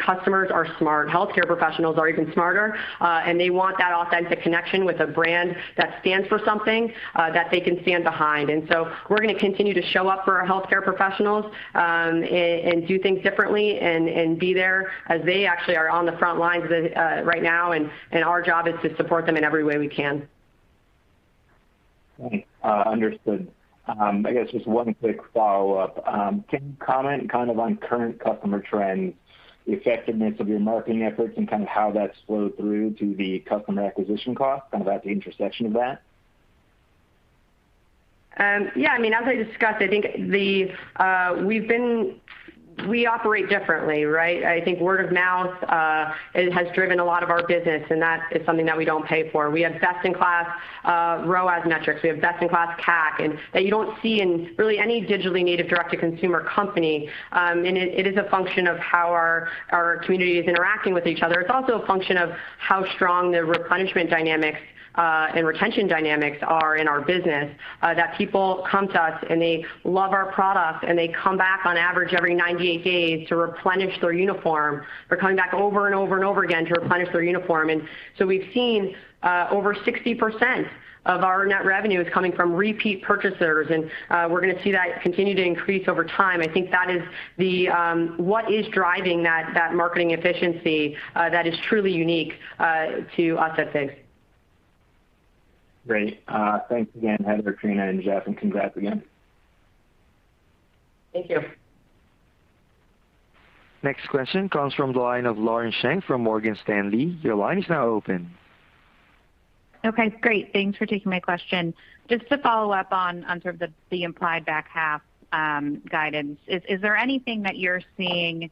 Customers are smart. Healthcare professionals are even smarter, and they want that authentic connection with a brand that stands for something that they can stand behind. We're gonna continue to show up for our healthcare professionals and do things differently and be there as they actually are on the front lines of the right now, and our job is to support them in every way we can. Great. Understood. I guess just one quick follow-up. Can you comment kind of on current customer trends, the effectiveness of your marketing efforts, and kind of how that's flowed through to the customer acquisition cost, kind of at the intersection of that? Yeah, I mean, as I discussed, I think we operate differently, right? I think word of mouth, it has driven a lot of our business, and that is something that we don't pay for. We have best in class ROAS metrics. We have best in class CAC, and that you don't see in really any digitally native direct-to-consumer company. It, it is a function of how our community is interacting with each other. It's also a function of how strong the replenishment dynamics and retention dynamics are in our business, that people come to us, and they love our product, and they come back on average every 98 days to replenish their uniform. They're coming back over and over and over again to replenish their uniform. We've seen over 60% of our net revenue is coming from repeat purchasers, and we're gonna see that continue to increase over time. I think that is the what is driving that marketing efficiency that is truly unique to us at FIGS. Great. Thanks again, Heather, Trina, and Jeff, and congrats again. Thank you. Next question comes from the line of Lauren Schenk from Morgan Stanley. Your line is now open. Okay, great. Thanks for taking my question. Just to follow up on sort of the implied back half guidance. Is there anything that you're seeing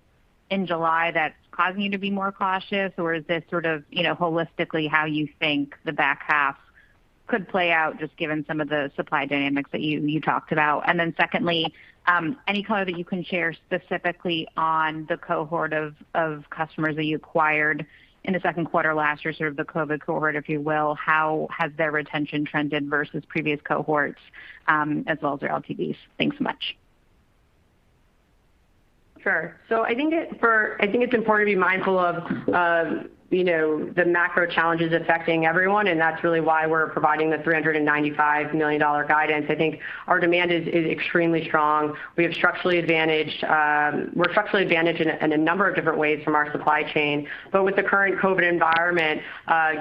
in July that's causing you to be more cautious, or is this sort of, you know, holistically how you think the back half could play out, just given some of the supply dynamics that you talked about? Then secondly, any color that you can share specifically on the cohort of customers that you acquired in the second quarter last year, sort of the COVID cohort, if you will. How has their retention trended versus previous cohorts, as well as their LTVs? Thanks so much. Sure. I think it's important to be mindful of, you know, the macro challenges affecting everyone, and that's really why we're providing the $395 million guidance. I think our demand is extremely strong. We're structurally advantaged in a number of different ways from our supply chain. With the current COVID-19 environment,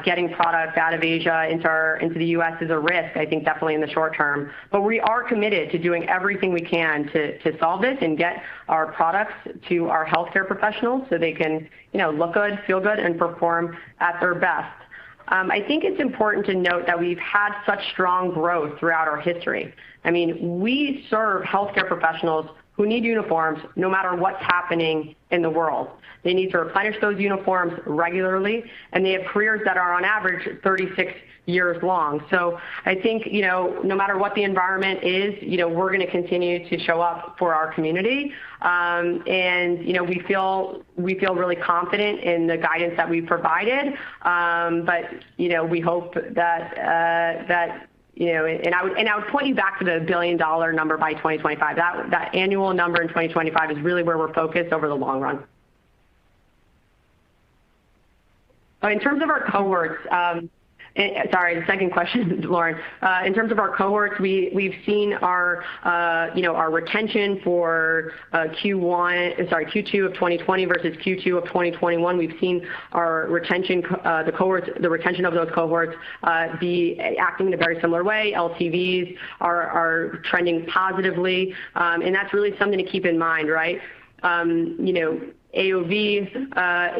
getting product out of Asia into the U.S. is a risk, I think, definitely in the short term. We are committed to doing everything we can to solve this and get our products to our healthcare professionals so they can, you know, look good, feel good, and perform at their best. I think it's important to note that we've had such strong growth throughout our history. I mean, we serve healthcare professionals who need uniforms no matter what's happening in the world. They need to replenish those uniforms regularly, and they have careers that are on average 36 years long. I think, you know, no matter what the environment is, you know, we're gonna continue to show up for our community. You know, we feel really confident in the guidance that we've provided. You know, we hope that, you know. I would point you back to the $1 billion number by 2025. That annual number in 2025 is really where we're focused over the long run. In terms of our cohorts, Sorry, the second question, Lauren. In terms of our cohorts, we've seen our, you know, our retention for Q1, sorry, Q2 of 2020 versus Q2 of 2021, we've seen our retention, the cohorts, the retention of those cohorts, be acting in a very similar way. LTVs are trending positively, and that's really something to keep in mind, right? You know, AOV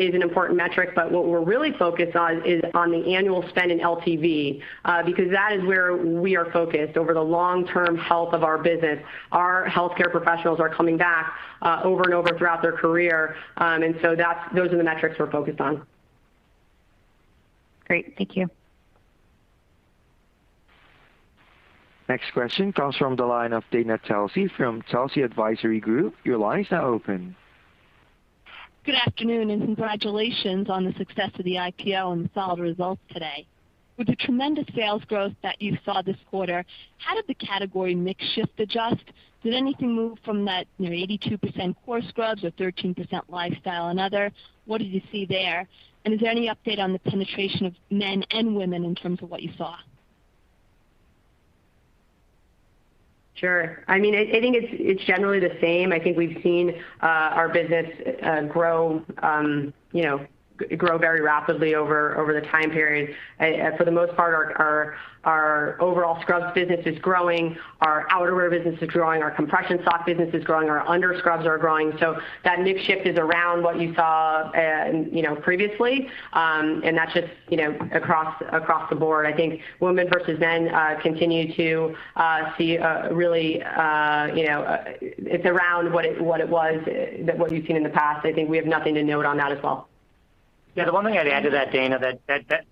is an important metric, but what we're really focused on is on the annual spend in LTV, because that is where we are focused over the long term health of our business. Our healthcare professionals are coming back, over and over throughout their career. Those are the metrics we're focused on. Great. Thank you. Next question comes from the line of Dana Telsey from Telsey Advisory Group. Your line is now open. Good afternoon, congratulations on the success of the IPO and the solid results today. With the tremendous sales growth that you saw this quarter, how did the category mix shift adjust? Did anything move from that, you know, 82% core scrubs or 13% lifestyle and other? What did you see there? Is there any update on the penetration of men and women in terms of what you saw? Sure. I mean, I think it's generally the same. I think we've seen our business grow, you know, very rapidly over the time period. For the most part our overall scrubs business is growing. Our outerwear business is growing. Our compression sock business is growing. Our underscrubs are growing. That mix shift is around what you saw, you know, previously. That's just, you know, across the board. I think women versus men continue to see a really, you know, it's around what it was that what you've seen in the past. I think we have nothing to note on that as well. Yeah, the one thing I'd add to that, Dana, that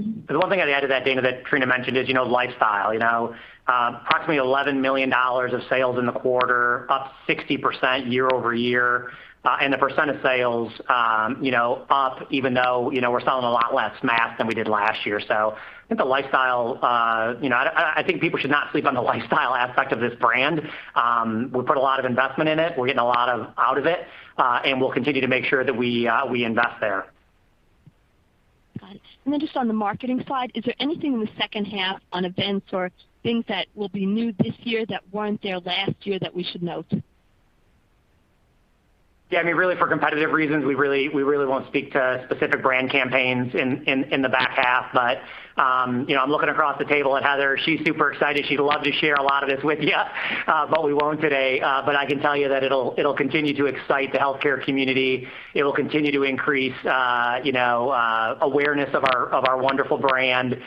Trina mentioned is, you know, lifestyle. You know, approximately $11 million of sales in the quarter, up 60% year-over-year. The percent of sales, you know, up even though, you know, we're selling a lot less masks than we did last year. I think the lifestyle, you know, I think people should not sleep on the lifestyle aspect of this brand. We put a lot of investment in it. We're getting a lot of out of it, and we'll continue to make sure that we invest there. Got it. Just on the marketing side, is there anything in the second half on events or things that will be new this year that weren't there last year that we should note? Yeah, I mean, really for competitive reasons, we really won't speak to specific brand campaigns in the back half. I'm looking across the table at Heather. She's super excited. She'd love to share a lot of this with you, but we won't today. I can tell you that it'll continue to excite the healthcare community. It'll continue to increase, you know, awareness of our wonderful brand.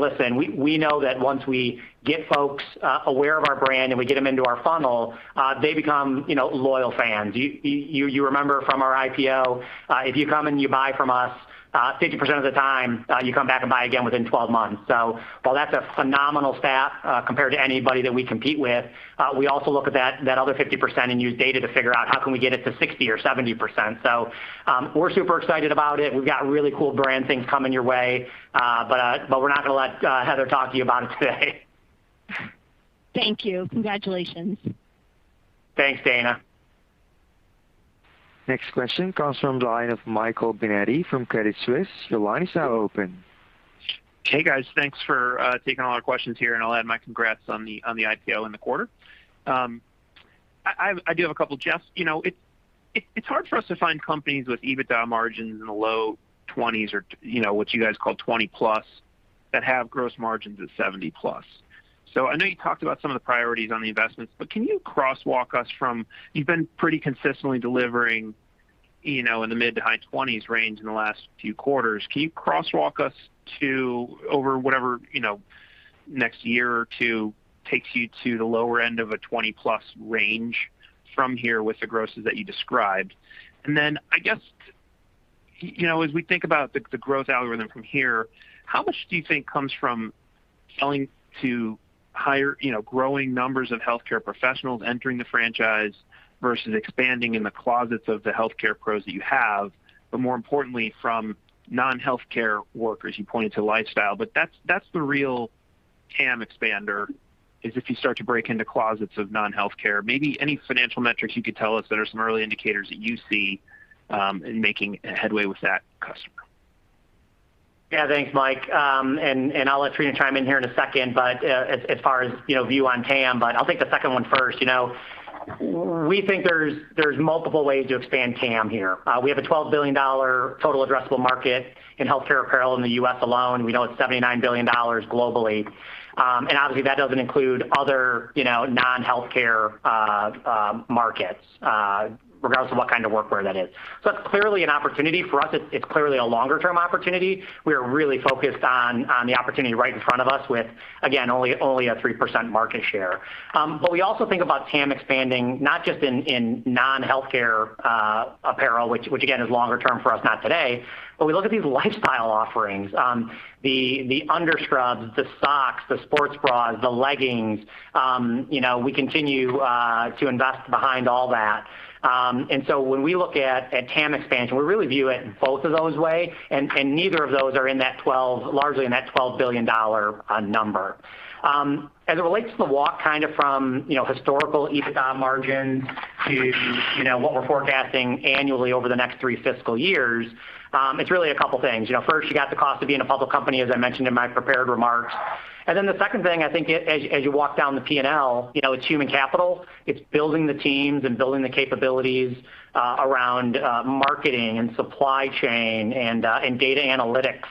Listen, we know that once we get folks aware of our brand and we get them into our funnel, they become, you know, loyal fans. You remember from our IPO, if you come and you buy from us, 50% of the time, you come back and buy again within 12 months. While that's a phenomenal stat, compared to anybody that we compete with, we also look at that other 50% and use data to figure out how can we get it to 60% or 70%. We're super excited about it. We've got really cool brand things coming your way. We're not gonna let Heather talk to you about it today. Thank you. Congratulations. Thanks, Dana. Next question comes from the line of Michael Binetti from Credit Suisse. Your line is now open. Hey, guys. Thanks for taking all our questions here, and I'll add my congrats on the IPO and the quarter. I do have a couple. Jeff, you know, it's hard for us to find companies with EBITDA margins in the low 20%s or you know, what you guys call 20%+ that have gross margins at 70%+. I know you talked about some of the priorities on the investments, but can you crosswalk us from You've been pretty consistently delivering, you know, in the mid-to-high 20%s range in the last few quarters. Can you crosswalk us to over whatever, you know, next one or two years takes you to the lower end of a 20%+ range from here with the grosses that you described? I guess, you know, as we think about the growth algorithm from here, how much do you think comes from selling to higher, you know, growing numbers of healthcare professionals entering the franchise versus expanding in the closets of the healthcare pros that you have, but more importantly from non-healthcare workers? You pointed to lifestyle, but that's the real TAM expander, is if you start to break into closets of non-healthcare. Maybe any financial metrics you could tell us that are some early indicators that you see in making headway with that customer. Yeah. Thanks, Mike. I'll let Trina chime in here in a second, but as far as, you know, view on TAM, but I'll take the second one first. You know, we think there's multiple ways to expand TAM here. We have a $12 billion total addressable market in healthcare apparel in the U.S. alone. We know it's $79 billion globally. Obviously, that doesn't include other, you know, non-healthcare markets, regardless of what kind of workwear that is. It's clearly an opportunity for us. It's clearly a longer term opportunity. We are really focused on the opportunity right in front of us with, again, only a 3% market share. We also think about TAM expanding, not just in non-healthcare apparel, which again, is longer term for us, not today, but we look at these lifestyle offerings. The underscrubs, the socks, the sports bras, the leggings, you know, we continue to invest behind all that. When we look at TAM expansion, we really view it in both of those way, and neither of those are largely in that $12 billion number. As it relates to the walk kind of from, you know, historical EBITDA margins to, you know, what we're forecasting annually over the next three fiscal years, it's really a couple things. You know, first, you got the cost of being a public company, as I mentioned in my prepared remarks. The second thing, I think as you walk down the P&L, you know, it's human capital. It's building the teams and building the capabilities around marketing and supply chain and data analytics.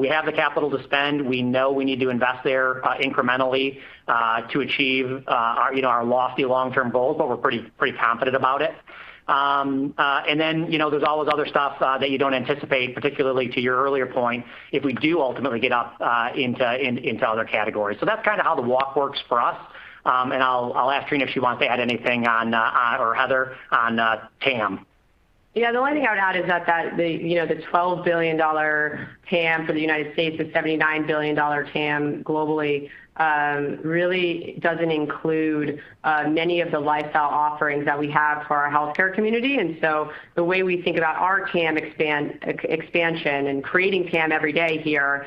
We have the capital to spend. We know we need to invest there incrementally to achieve, you know, our lofty long-term goals, but we're pretty confident about it. You know, there's all this other stuff that you don't anticipate, particularly to your earlier point, if we do ultimately get up into other categories. That's kind of how the walk works for us. I'll ask Trina if she wants to add anything on, or Heather, on TAM. Yeah, the only thing I would add is that the, you know, the $12 billion TAM for the United States, the $79 billion TAM globally, really doesn't include many of the lifestyle offerings that we have for our healthcare community. The way we think about our TAM expansion and creating TAM every day here,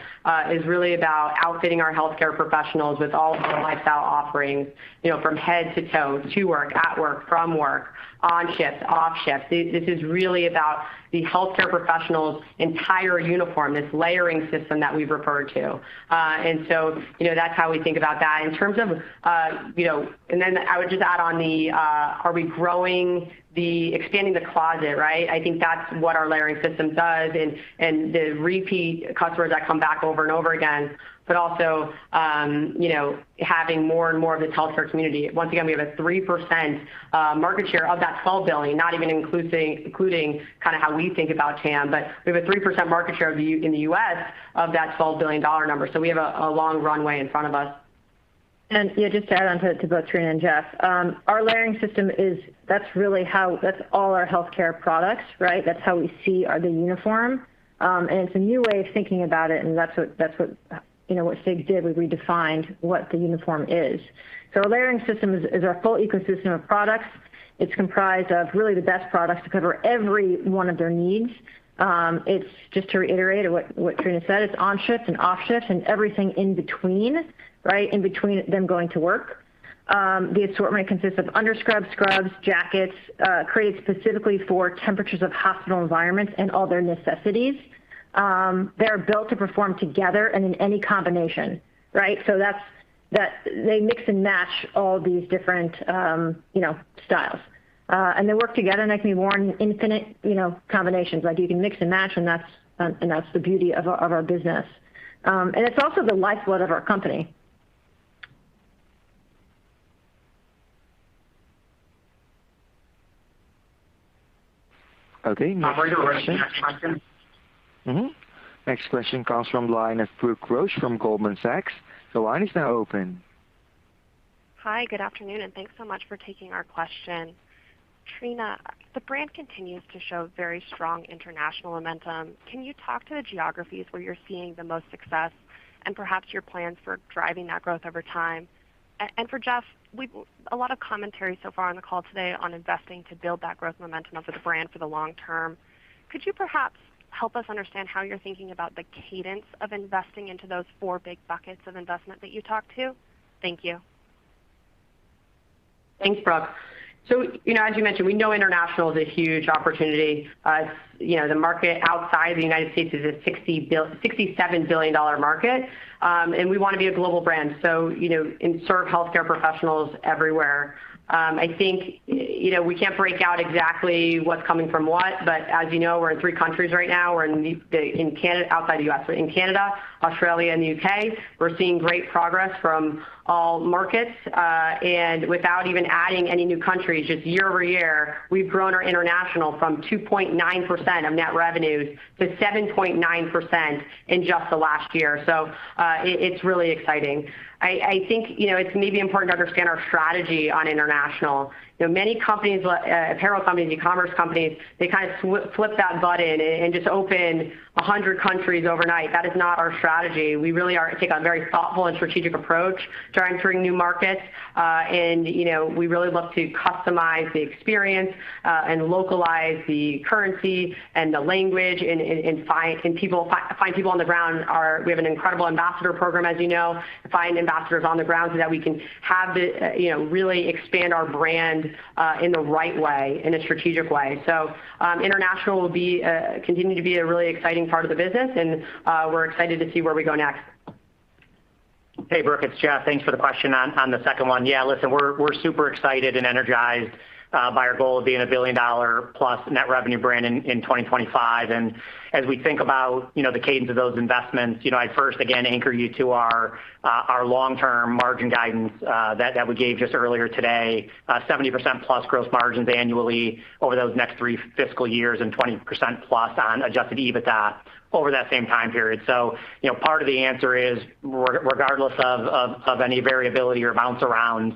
is really about outfitting our healthcare professionals with all of our lifestyle offerings, you know, from head to toe, to work, at work, from work, on shift, off shift. This is really about the healthcare professional's entire uniform, this layering system that we've referred to. You know, that's how we think about that. In terms of, you know, I would just add on the, are we growing the expanding the closet, right? I think that's what our layering system does and the repeat customers that come back over and over again, but also, you know, having more and more of this healthcare community. Once again, we have a 3% market share of that $12 billion, not even including kind of how we think about TAM. We have a 3% market share in the U.S. of that $12 billion number. We have a long runway in front of us. Just to add on to both Trina and Jeff. Our layering system is That's all our healthcare products, right? That's how we see the uniform. It's a new way of thinking about it, and that's what, you know, what FIGS did. We redefined what the uniform is. Our layering system is our full ecosystem of products. It's comprised of really the best products to cover every one of their needs. It's just to reiterate what Trina said, it's on shift and off shift and everything in between, right? In between them going to work. The assortment consists of underscrubs, scrubs, jackets, created specifically for temperatures of hospital environments and all their necessities. They're built to perform together and in any combination, right? They mix and match all these different, you know, styles. They work together and they can be worn in infinite, you know, combinations, right? You can mix and match, and that's the beauty of our business. It's also the lifeblood of our company. Okay. Next question. Next question comes from the line of Brooke Roach from Goldman Sachs. Hi, good afternoon, and thanks so much for taking our question. Trina, the brand continues to show very strong international momentum. Can you talk to the geographies where you're seeing the most success and perhaps your plans for driving that growth over time? For Jeff, we've A lot of commentary so far on the call today on investing to build that growth momentum of the brand for the long term. Could you perhaps help us understand how you're thinking about the cadence of investing into those four big buckets of investment that you talked to? Thank you. Thanks, Brooke. You know, as you mentioned, we know international is a huge opportunity. You know, the market outside the United States is a $67 billion market, and we wanna be a global brand. You know, and serve healthcare professionals everywhere. I think, you know, we can't break out exactly what's coming from what, but as you know, we're in three countries right now. Outside the U.S., we're in Canada, Australia, and the U.K. We're seeing great progress from all markets. Without even adding any new countries, just year-over-year, we've grown our international from 2.9% of net revenues to 7.9% in just the last year. It's really exciting. I think, you know, it's maybe important to understand our strategy on international. You know, many companies, like apparel companies, e-commerce companies, they kind of flip that button and just open 100 countries overnight. That is not our strategy. We really take a very thoughtful and strategic approach to entering new markets. You know, we really love to customize the experience and localize the currency and the language and find people on the ground. We have an incredible ambassador program, as you know, to find ambassadors on the ground so that we can have the You know, really expand our brand in the right way, in a strategic way. International will continue to be a really exciting part of the business, and we're excited to see where we go next. Hey, Brooke, it's Jeff. Thanks for the question on the second one. Yeah, listen, we're super excited and energized by our goal of being a $1 billion+ net revenue brand in 2025. As we think about, you know, the cadence of those investments, you know, I'd first again anchor you to our long-term margin guidance that we gave just earlier today. 70%+ gross margins annually over those next three fiscal years and 20% plus on adjusted EBITDA over that same time period. You know, part of the answer is regardless of any variability or bounce arounds,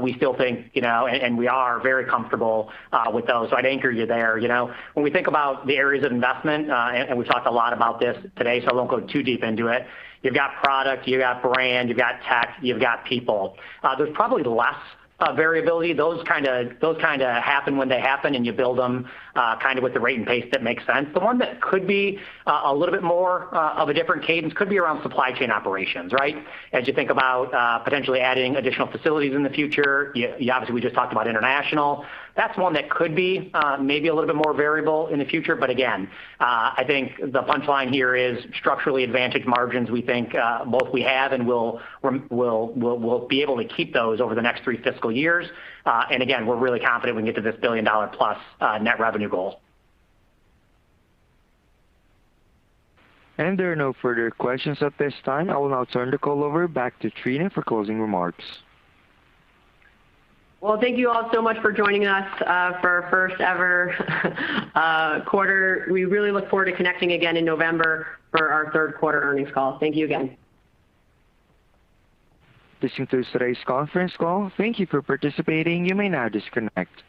we still think, you know, and we are very comfortable with those. I'd anchor you there, you know. When we think about the areas of investment, and we've talked a lot about this today, so I won't go too deep into it. You've got product, you've got brand, you've got tech, you've got people. There's probably less variability. Those kind of happen when they happen, and you build them kind of with the rate and pace that makes sense. The one that could be a little bit more of a different cadence could be around supply chain operations, right? As you think about potentially adding additional facilities in the future. You obviously, we just talked about international. That's one that could be maybe a little bit more variable in the future. Again, I think the punchline here is structurally advantaged margins, we think, both we have and will be able to keep those over the next three fiscal years. Again, we're really confident we can get to this $1 billion+ net revenue goal. There are no further questions at this time. I will now turn the call over back to Trina for closing remarks. Well, thank you all so much for joining us for our first ever quarter. We really look forward to connecting again in November for our third quarter earnings call. Thank you again. This concludes today's conference call. Thank you for participating. You may now disconnect.